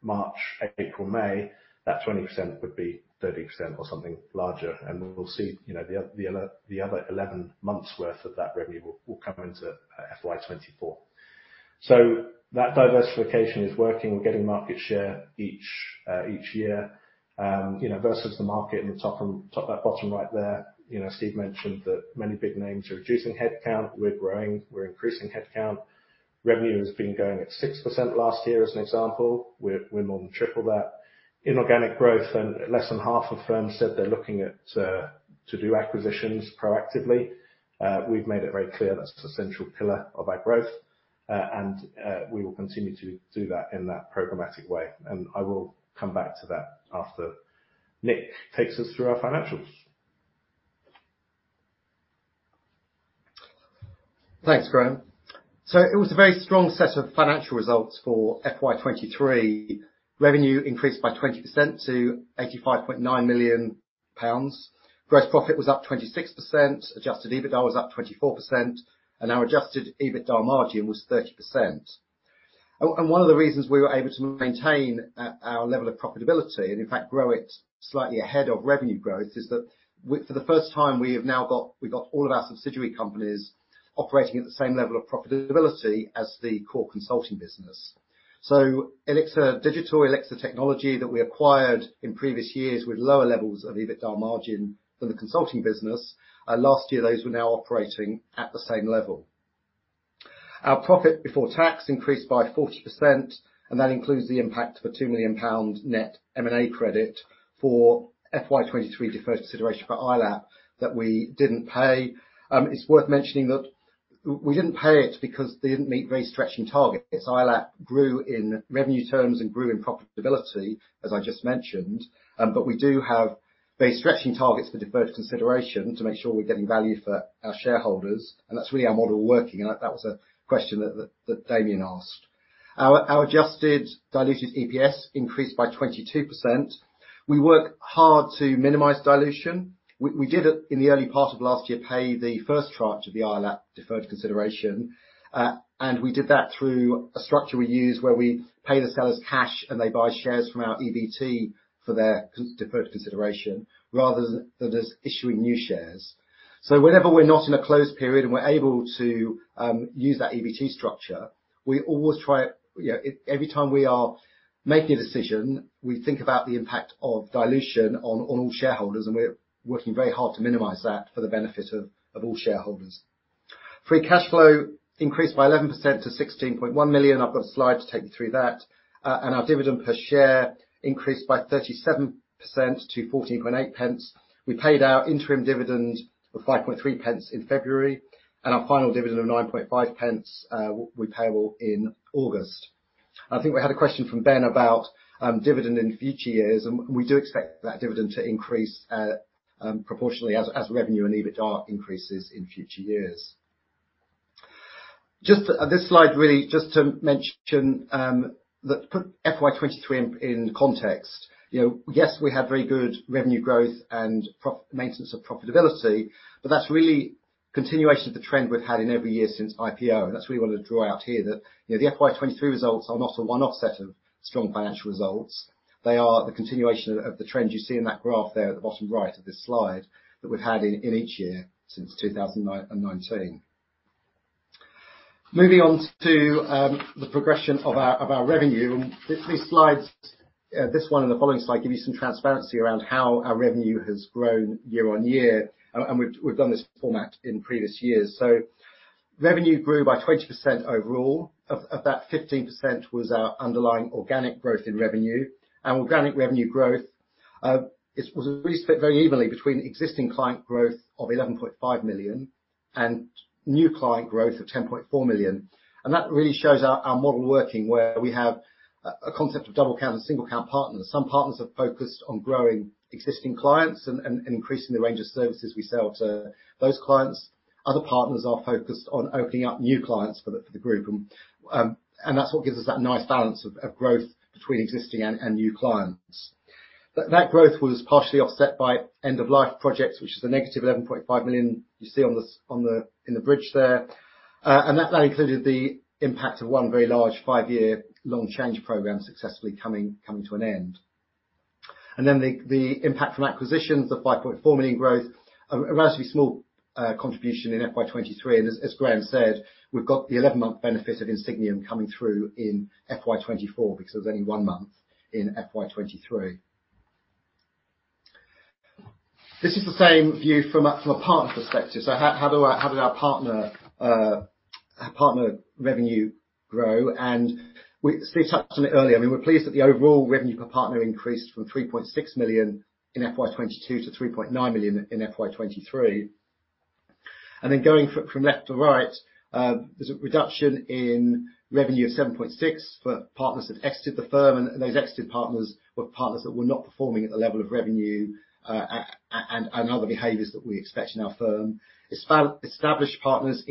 March, April, May, that 20% would be 30% or something larger. And we'll see, you know, the other 11 months' worth of that revenue will come into FY 2024. So that diversification is working. We're getting market share each year, you know, versus the market in the top and that bottom right there. You know, Steve mentioned that many big names are reducing headcount. We're growing. We're increasing headcount. Revenue has been going at 6% last year as an example. We're more than triple that. Inorganic growth, and less than half of firms said they're looking at to do acquisitions proactively. We've made it very clear that's the central pillar of our growth, and we will continue to do that in that programmatic way. I will come back to that after Nick takes us through our financials. Thanks, Graham. So it was a very strong set of financial results for FY23. Revenue increased by 20% to 85.9 million pounds. Gross profit was up 26%. Adjusted EBITDA was up 24%. And our adjusted EBITDA margin was 30%. And one of the reasons we were able to maintain our level of profitability and, in fact, grow it slightly ahead of revenue growth is that for the first time, we've got all of our subsidiary companies operating at the same level of profitability as the core consulting business. Elixirr Digital, Elixirr Technology that we acquired in previous years with lower levels of EBITDA margin than the consulting business, last year, those were now operating at the same level. Our profit before tax increased by 40%, and that includes the impact of a 2 million pound net M&A credit for FY23 deferred consideration for iOLAP that we didn't pay. It's worth mentioning that we didn't pay it because they didn't meet very stretching targets. iOLAP grew in revenue terms and grew in profitability, as I just mentioned, but we do have very stretching targets for deferred consideration to make sure we're getting value for our shareholders. And that's really our model working. And that was a question that Damien asked. Our adjusted diluted EPS increased by 22%. We work hard to minimize dilution. We, we did, in the early part of last year, pay the first tranche of the iOLAP deferred consideration. And we did that through a structure we use where we pay the sellers cash, and they buy shares from our EBT for their own deferred consideration rather than, than us issuing new shares. So whenever we're not in a closed period and we're able to use that EBT structure, we always try you know, every time we are making a decision, we think about the impact of dilution on all shareholders, and we're working very hard to minimize that for the benefit of all shareholders. Free cash flow increased by 11% to 16.1 million. I've got a slide to take you through that. And our dividend per share increased by 37% to 0.148. We paid our interim dividend of 0.053 in February, and our final dividend of 0.095, which is payable in August. I think we had a question from Ben about dividend in future years. We do expect that dividend to increase, proportionally as revenue and EBITDA increases in future years. Just this slide, really, just to mention, that put FY23 in context. You know, yes, we had very good revenue growth and the maintenance of profitability, but that's really continuation of the trend we've had in every year since IPO. That's what we wanted to draw out here, that, you know, the FY23 results are not a one-off set of strong financial results. They are the continuation of the trend you see in that graph there at the bottom right of this slide that we've had in each year since 2019. Moving on to the progression of our revenue. These slides, this one and the following slide, give you some transparency around how our revenue has grown year-over-year. We've done this format in previous years. Revenue grew by 20% overall. Of that, 15% was our underlying organic growth in revenue. Organic revenue growth was really split very evenly between existing client growth of 11.5 million and new client growth of 10.4 million. That really shows our model working where we have a concept of double-count and single-count partners. Some partners are focused on growing existing clients and increasing the range of services we sell to those clients. Other partners are focused on opening up new clients for the group. And that's what gives us that nice balance of growth between existing and new clients. That growth was partially offset by end-of-life projects, which is the -11.5 million you see on the bridge there. And that included the impact of one very large 5-year-long change program successfully coming to an end. And then the impact from acquisitions, the 5.4 million growth, a relatively small contribution in FY23. And as Graham said, we've got the 11-month benefit of Insigniam coming through in FY24 because there was only 1 month in FY23. This is the same view from a partner perspective. So how did our partner revenue grow? And as Steve touched on it earlier. I mean, we're pleased that the overall revenue per partner increased from 3.6 million in FY22 to 3.9 million in FY23. And then going from left to right, there's a reduction in revenue of 7.6 million for partners that exited the firm. And those exited partners were partners that were not performing at the level of revenue, and other behaviors that we expect in our firm. Established partners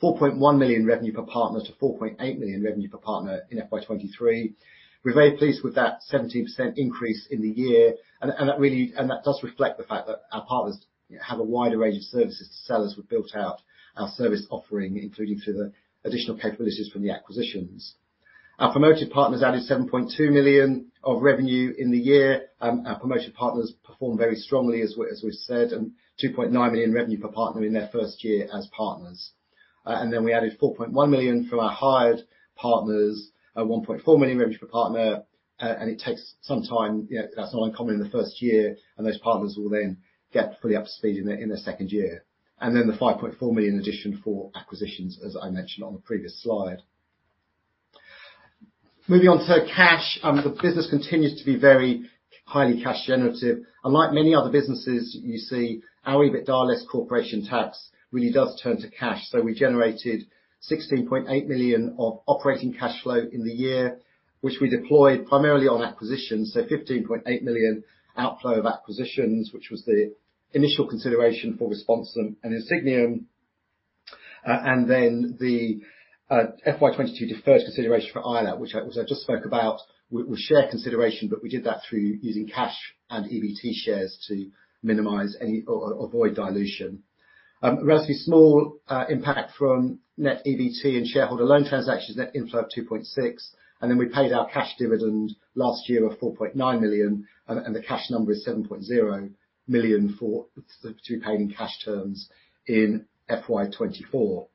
increased from 4.1 million revenue per partner to 4.8 million revenue per partner in FY23. We're very pleased with that 17% increase in the year. And that really does reflect the fact that our partners, you know, have a wider range of services to sell as we built out our service offering, including through the additional capabilities from the acquisitions. Our promoted partners added 7.2 million of revenue in the year. Our promoted partners performed very strongly, as we, as we've said, and 2.9 million revenue per partner in their first year as partners. Then we added 4.1 million from our hired partners, 1.4 million revenue per partner. It takes some time. You know, that's not uncommon in the first year. Those partners will then get fully up to speed in their second year. Then the 5.4 million addition for acquisitions, as I mentioned on the previous slide. Moving on to cash, the business continues to be very highly cash-generative. Unlike many other businesses you see, our EBITDA less corporation tax really does turn to cash. So we generated 16.8 million of operating cash flow in the year, which we deployed primarily on acquisitions. So 15.8 million outflow of acquisitions, which was the initial consideration for Responsum and Insigniam, and then the FY22 deferred consideration for iOLAP, which I just spoke about, with share consideration, but we did that through using cash and EBT shares to minimize any or avoid dilution. Relatively small impact from net EBT and shareholder loan transactions, net inflow of 2.6 million. And then we paid our cash dividend last year of 4.9 million. And the cash number is 7.0 million to be paid in cash terms in FY24.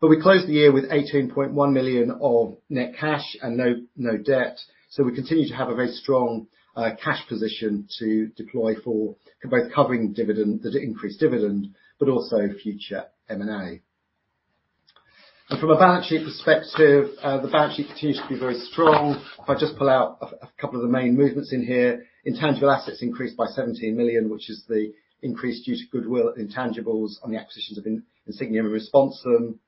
But we closed the year with 18.1 million of net cash and no debt. So we continue to have a very strong cash position to deploy for both covering dividend the increased dividend but also future M&A. And from a balance sheet perspective, the balance sheet continues to be very strong. If I just pull out a couple of the main movements in here, intangible assets increased by 17 million, which is the increase due to goodwill and intangibles on the acquisitions of Insigniam and Responsum.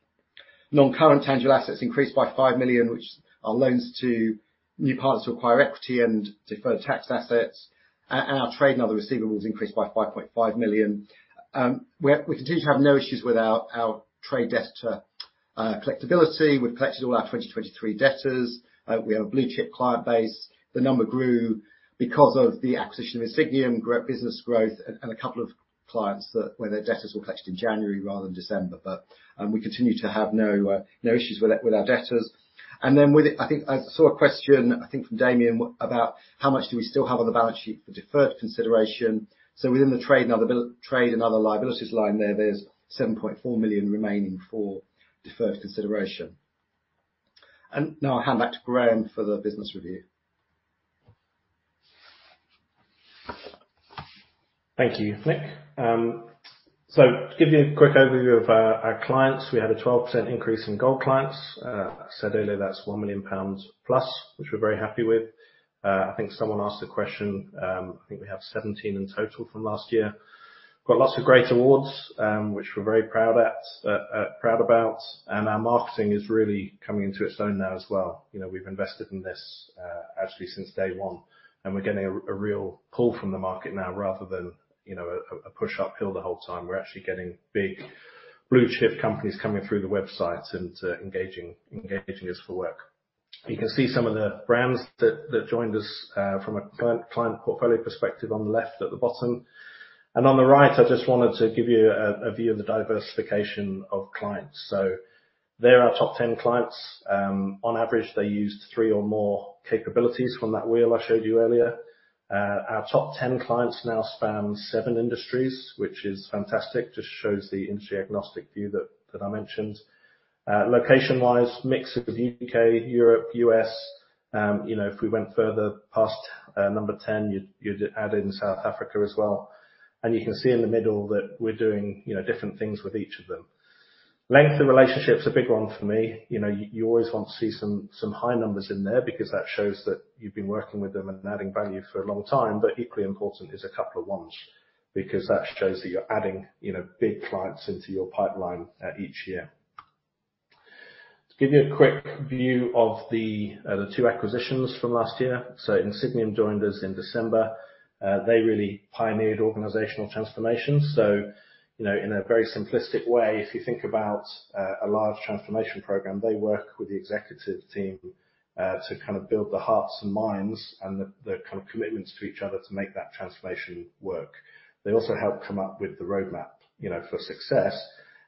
Non-current tangible assets increased by 5 million, which are loans to new partners to acquire equity and deferred tax assets. And our trade and other receivables increased by 5.5 million. We continue to have no issues with our trade debtor collectibility. We've collected all our 2023 debtors. We have a blue-chip client base. The number grew because of the acquisition of Insigniam, grew at business growth, and a couple of clients that where their debtors were collected in January rather than December. But we continue to have no issues with our debtors. And then with it I think I saw a question, I think, from Damien W. about how much do we still have on the balance sheet for deferred consideration. So within the trade and other liabilities line there, there's 7.4 million remaining for deferred consideration. And now I'll hand back to Graham for the business review. Thank you, Nick. So to give you a quick overview of our clients, we had a 12% increase in gold clients. I said earlier that's 1 million pounds plus, which we're very happy with. I think someone asked a question. I think we have 17 in total from last year. We've got lots of great awards, which we're very proud about. And our marketing is really coming into its own now as well. You know, we've invested in this, actually since day one. And we're getting a real pull from the market now rather than, you know, a push uphill the whole time. We're actually getting big blue-chip companies coming through the website and engaging us for work. You can see some of the brands that joined us, from a client portfolio perspective on the left at the bottom. On the right, I just wanted to give you a view of the diversification of clients. They're our top 10 clients. On average, they used three or more capabilities from that wheel I showed you earlier. Our top 10 clients now span seven industries, which is fantastic. Just shows the industry agnostic view that I mentioned. Location-wise, mix of U.K., Europe, U.S. You know, if we went further past number 10, you'd add in South Africa as well. You can see in the middle that we're doing, you know, different things with each of them. Length of relationship's a big one for me. You know, you always want to see some high numbers in there because that shows that you've been working with them and adding value for a long time. But equally important is a couple of ones because that shows that you're adding, you know, big clients into your pipeline, each year. To give you a quick view of the, the two acquisitions from last year. So Insigniam joined us in December. They really pioneered organizational transformation. So, you know, in a very simplistic way, if you think about, a large transformation program, they work with the executive team, to kind of build the hearts and minds and the, the kind of commitments to each other to make that transformation work. They also help come up with the roadmap, you know, for success.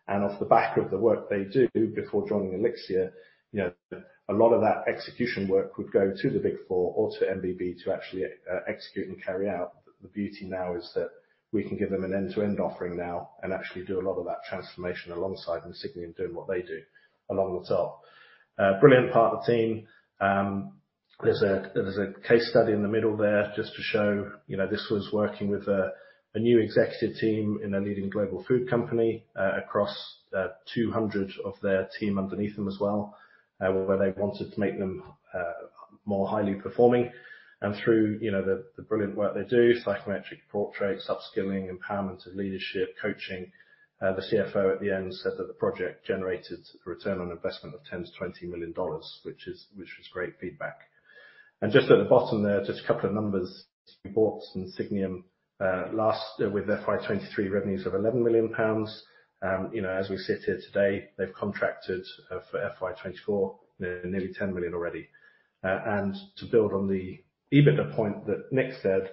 And off the back of the work they do before joining Elixirr, you know, a lot of that execution work would go to the Big Four or to MBB to actually, execute and carry out. The beauty now is that we can give them an end-to-end offering now and actually do a lot of that transformation alongside Insigniam doing what they do along the top. Brilliant partner team. There's a case study in the middle there just to show, you know, this was working with a new executive team in a leading global food company, across 200 of their team underneath them as well, where they wanted to make them more highly performing. And through, you know, the brilliant work they do, psychometric portraits, upskilling, empowerment of leadership, coaching, the CFO at the end said that the project generated a return on investment of $10 million-$20 million, which was great feedback. And just at the bottom there, just a couple of numbers. We bought Insigniam last with FY23 revenues of 11 million pounds. You know, as we sit here today, they've contracted, for FY 2024, you know, nearly 10 million already. And to build on the EBITDA point that Nick said,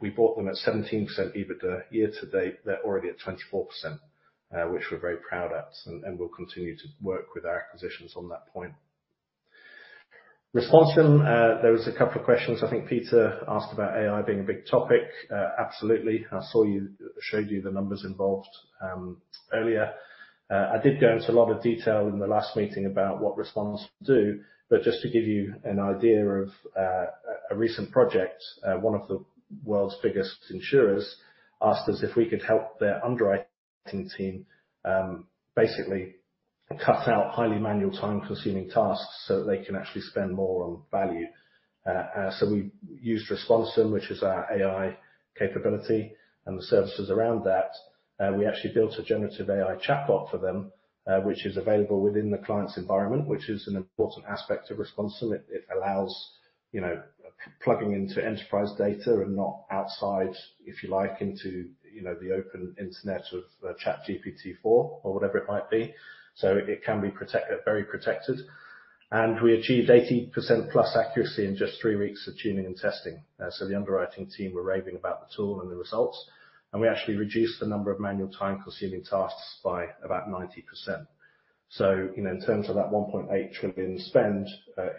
we bought them at 17% EBITDA year to date. They're already at 24%, which we're very proud at. And we'll continue to work with our acquisitions on that point. Responsum, there was a couple of questions. I think Peter asked about AI being a big topic. Absolutely. I saw you showed you the numbers involved, earlier. I did go into a lot of detail in the last meeting about what Responsum do. But just to give you an idea of, a recent project, one of the world's biggest insurers asked us if we could help their underwriting team, basically cut out highly manual, time-consuming tasks so that they can actually spend more on value. So we used Responsum, which is our AI capability and the services around that. We actually built a generative AI chatbot for them, which is available within the client's environment, which is an important aspect of Responsum. It, it allows, you know, plugging into enterprise data and not outside, if you like, into, you know, the open internet of, ChatGPT-4 or whatever it might be. So it can be protected very protected. And we achieved 80%+ accuracy in just three weeks of tuning and testing. So the underwriting team were raving about the tool and the results. And we actually reduced the number of manual, time-consuming tasks by about 90%. So, you know, in terms of that $1.8 trillion spend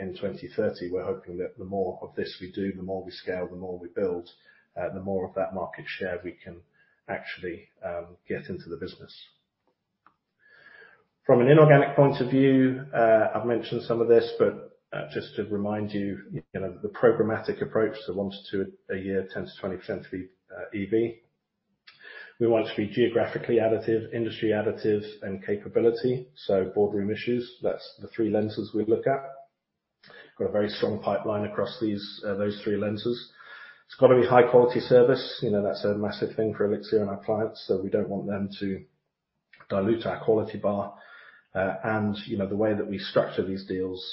in 2030, we're hoping that the more of this we do, the more we scale, the more we build, the more of that market share we can actually get into the business. From an inorganic point of view, I've mentioned some of this, but just to remind you, you know, the programmatic approach to want to do a year 10%-20% to be EV. We want to be geographically additive, industry additive, and capability. So boardroom issues, that's the three lenses we look at. Got a very strong pipeline across these, those three lenses. It's got to be high-quality service. You know, that's a massive thing for Elixirr and our clients. So we don't want them to dilute our quality bar. And, you know, the way that we structure these deals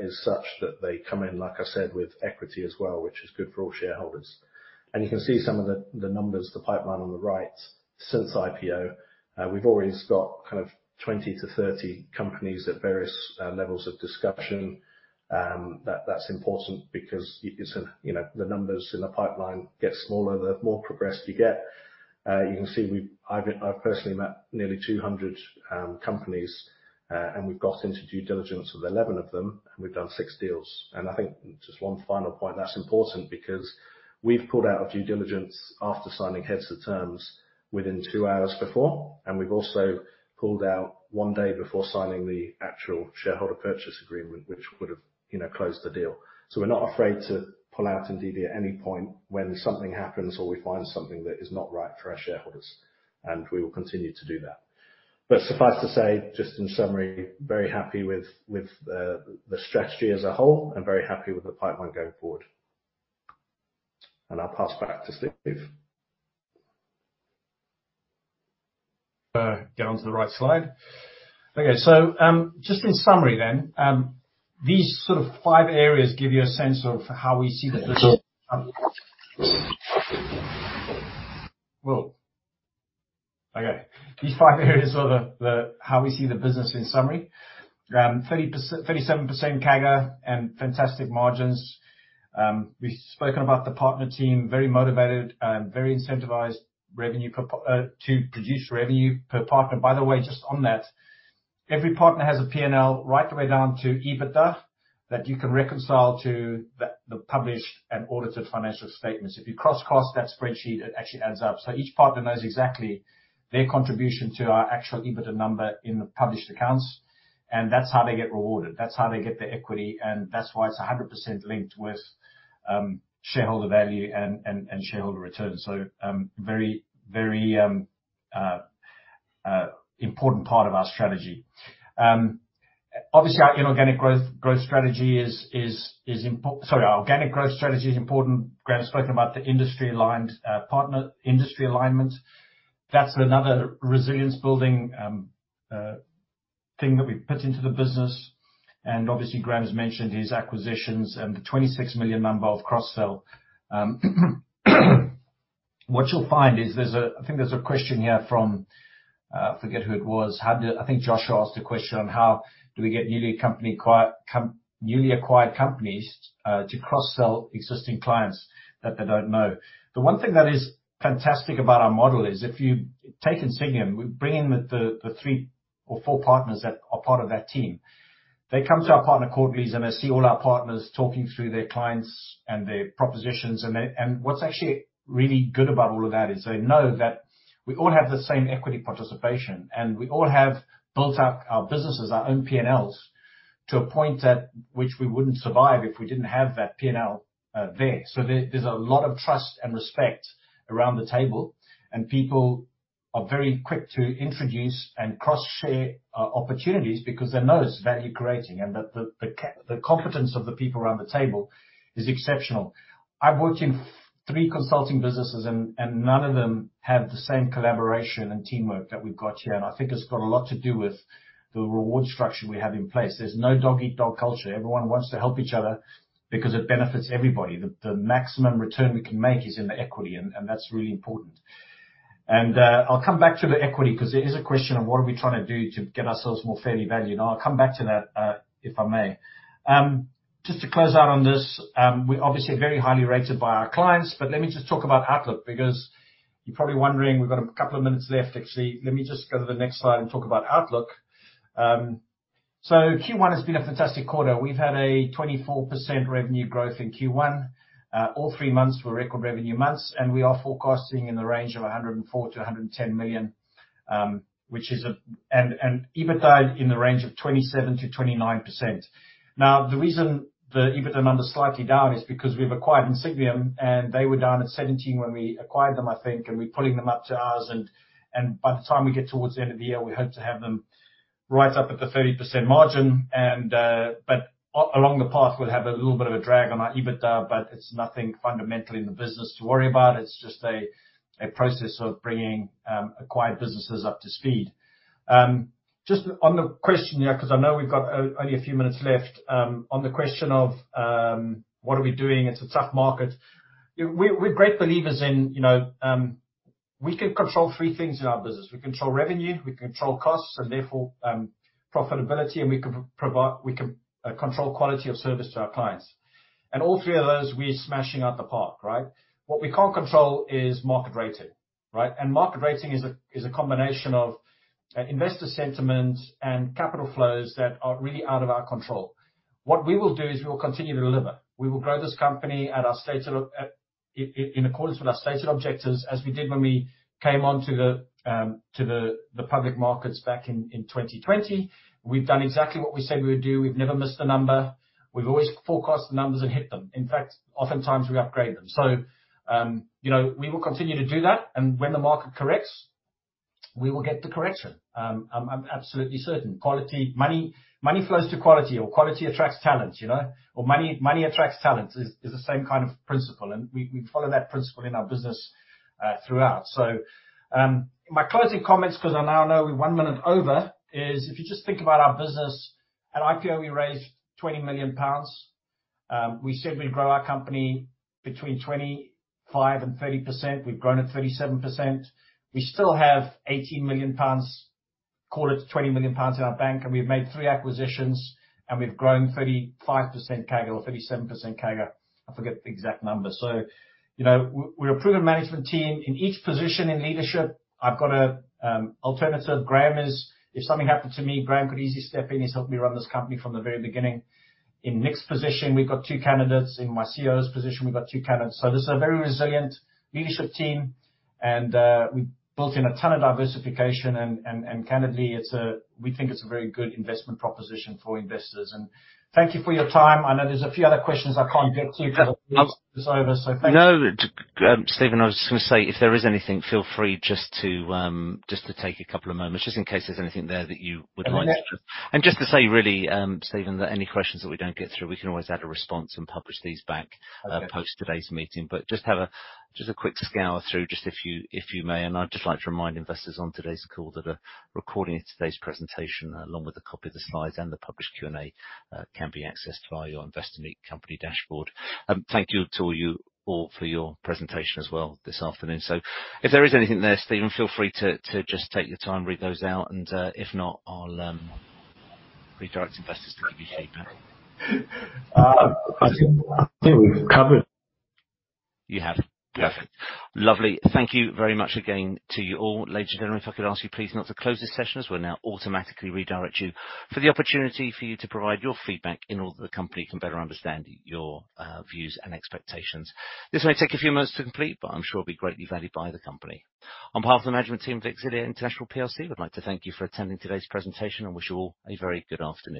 is such that they come in, like I said, with equity as well, which is good for all shareholders. And you can see some of the numbers, the pipeline on the right since IPO. We've always got kind of 20-30 companies at various levels of discussion. That's important because, you know, the numbers in the pipeline get smaller. The more progressed you get. You can see, I've personally met nearly 200 companies, and we've got into due diligence with 11 of them, and we've done 6 deals. And I think just one final point, that's important because we've pulled out of due diligence after signing heads of terms within 2 hours before. And we've also pulled out one day before signing the actual shareholder purchase agreement, which would have, you know, closed the deal. So we're not afraid to pull out indeed at any point when something happens or we find something that is not right for our shareholders. And we will continue to do that. But suffice to say, just in summary, very happy with the strategy as a whole and very happy with the pipeline going forward. And I'll pass back to Steve. Get onto the right slide. Okay. So, just in summary then, these sort of five areas give you a sense of how we see the business. So. Whoa. Okay. These five areas are the, the how we see the business in summary. 30% 37% CAGR and fantastic margins. We've spoken about the partner team, very motivated and very incentivized revenue per po to produce revenue per partner. By the way, just on that, every partner has a P&L right the way down to EBITDA that you can reconcile to the, the published and audited financial statements. If you cross-cross that spreadsheet, it actually adds up. So each partner knows exactly their contribution to our actual EBITDA number in the published accounts. And that's how they get rewarded. That's how they get their equity. And that's why it's 100% linked with, shareholder value and, and, and shareholder return. So, very, very, important part of our strategy. Obviously, our inorganic growth, growth strategy is, is, is impor sorry, our organic growth strategy is important. Graham's spoken about the industry-aligned, partner industry alignment. That's another resilience-building thing that we've put into the business. Obviously, Graham has mentioned his acquisitions and the 26 million number of cross-sell. What you'll find is there's a. I think there's a question here from, I forget who it was. I think Joshua asked a question on how do we get newly acquired companies to cross-sell existing clients that they don't know. The one thing that is fantastic about our model is if you take Insigniam, we bring in with the three or four partners that are part of that team. They come to our partner quarterlies and they see all our partners talking through their clients and their propositions. And what's actually really good about all of that is they know that we all have the same equity participation. We all have built up our businesses, our own P&Ls to a point at which we wouldn't survive if we didn't have that P&L there. So there's a lot of trust and respect around the table. People are very quick to introduce and cross-share opportunities because they know it's value-creating and that the competence of the people around the table is exceptional. I've worked in three consulting businesses, and none of them have the same collaboration and teamwork that we've got here. I think it's got a lot to do with the reward structure we have in place. There's no dog-eat-dog culture. Everyone wants to help each other because it benefits everybody. The maximum return we can make is in the equity, and that's really important. I'll come back to the equity because there is a question of what are we trying to do to get ourselves more fairly valued. I'll come back to that, if I may. Just to close out on this, we're obviously very highly rated by our clients. Let me just talk about Outlook because you're probably wondering, we've got a couple of minutes left, actually. Let me just go to the next slide and talk about Outlook. Q1 has been a fantastic quarter. We've had 24% revenue growth in Q1. All three months were record revenue months. We are forecasting in the range of 104 million-110 million, which is a and EBITDA in the range of 27%-29%. Now, the reason the EBITDA number's slightly down is because we've acquired Insigniam. They were down at 17 when we acquired them, I think. We're pulling them up to ours. And by the time we get towards the end of the year, we hope to have them right up at the 30% margin. But along the path, we'll have a little bit of a drag on our EBITDA, but it's nothing fundamentally in the business to worry about. It's just a process of bringing acquired businesses up to speed. Just on the question, you know, because I know we've got only a few minutes left, on the question of what are we doing? It's a tough market. You know, we're great believers in, you know, we can control three things in our business. We control revenue. We can control costs and therefore, profitability. And we can provide we can control quality of service to our clients. All three of those, we're smashing out the park, right? What we can't control is market rating, right? And market rating is a combination of investor sentiment and capital flows that are really out of our control. What we will do is we will continue to deliver. We will grow this company at our stated in accordance with our stated objectives as we did when we came onto the public markets back in 2020. We've done exactly what we said we would do. We've never missed a number. We've always forecast the numbers and hit them. In fact, oftentimes, we upgrade them. So, you know, we will continue to do that. And when the market corrects, we will get the correction. I'm absolutely certain. Quality money, money flows to quality, or quality attracts talent, you know, or money, money attracts talent is, is the same kind of principle. And we, we follow that principle in our business, throughout. So, my closing comments, because I now know we're one minute over, is if you just think about our business, at IPO, we raised 20 million pounds. We said we'd grow our company between 25%-30%. We've grown at 37%. We still have 18 million pounds, call it 20 million pounds in our bank. And we've made three acquisitions, and we've grown 35% CAGR or 37% CAGR. I forget the exact number. So, you know, we're a proven management team. In each position in leadership, I've got a, alternative. Graham is if something happened to me, Graham could easily step in. He's helped me run this company from the very beginning. In Nick's position, we've got two candidates. In my COO's position, we've got two candidates. So this is a very resilient leadership team. And, we've built in a ton of diversification. And candidly, we think it's a very good investment proposition for investors. And thank you for your time. I know there's a few other questions I can't get to because I think this is over. So thank you. No, Stephen, I was just going to say if there is anything, feel free just to take a couple of moments, just in case there's anything there that you would like to just. And just to say really, Stephen, that any questions that we don't get through, we can always add a response and publish these back, post today's meeting. But just have a quick scour through, just if you may. I'd just like to remind investors on today's call that a recording of today's presentation, along with a copy of the slides and the published Q&A, can be accessed via your Investor Meet Company dashboard. Thank you to all you all for your presentation as well this afternoon. So if there is anything there, Stephen, feel free to just take your time, read those out. If not, I'll redirect investors to give you feedback. I think we've covered. You have. Perfect. Lovely. Thank you very much again to you all. Ladies and gentlemen, if I could ask you, please, not to close this session, as we're now automatically redirect you for the opportunity for you to provide your feedback in order the company can better understand your, views and expectations. This may take a few minutes to complete, but I'm sure it'll be greatly valued by the company. On behalf of the management team of Elixirr International plc, we'd like to thank you for attending today's presentation and wish you all a very good afternoon.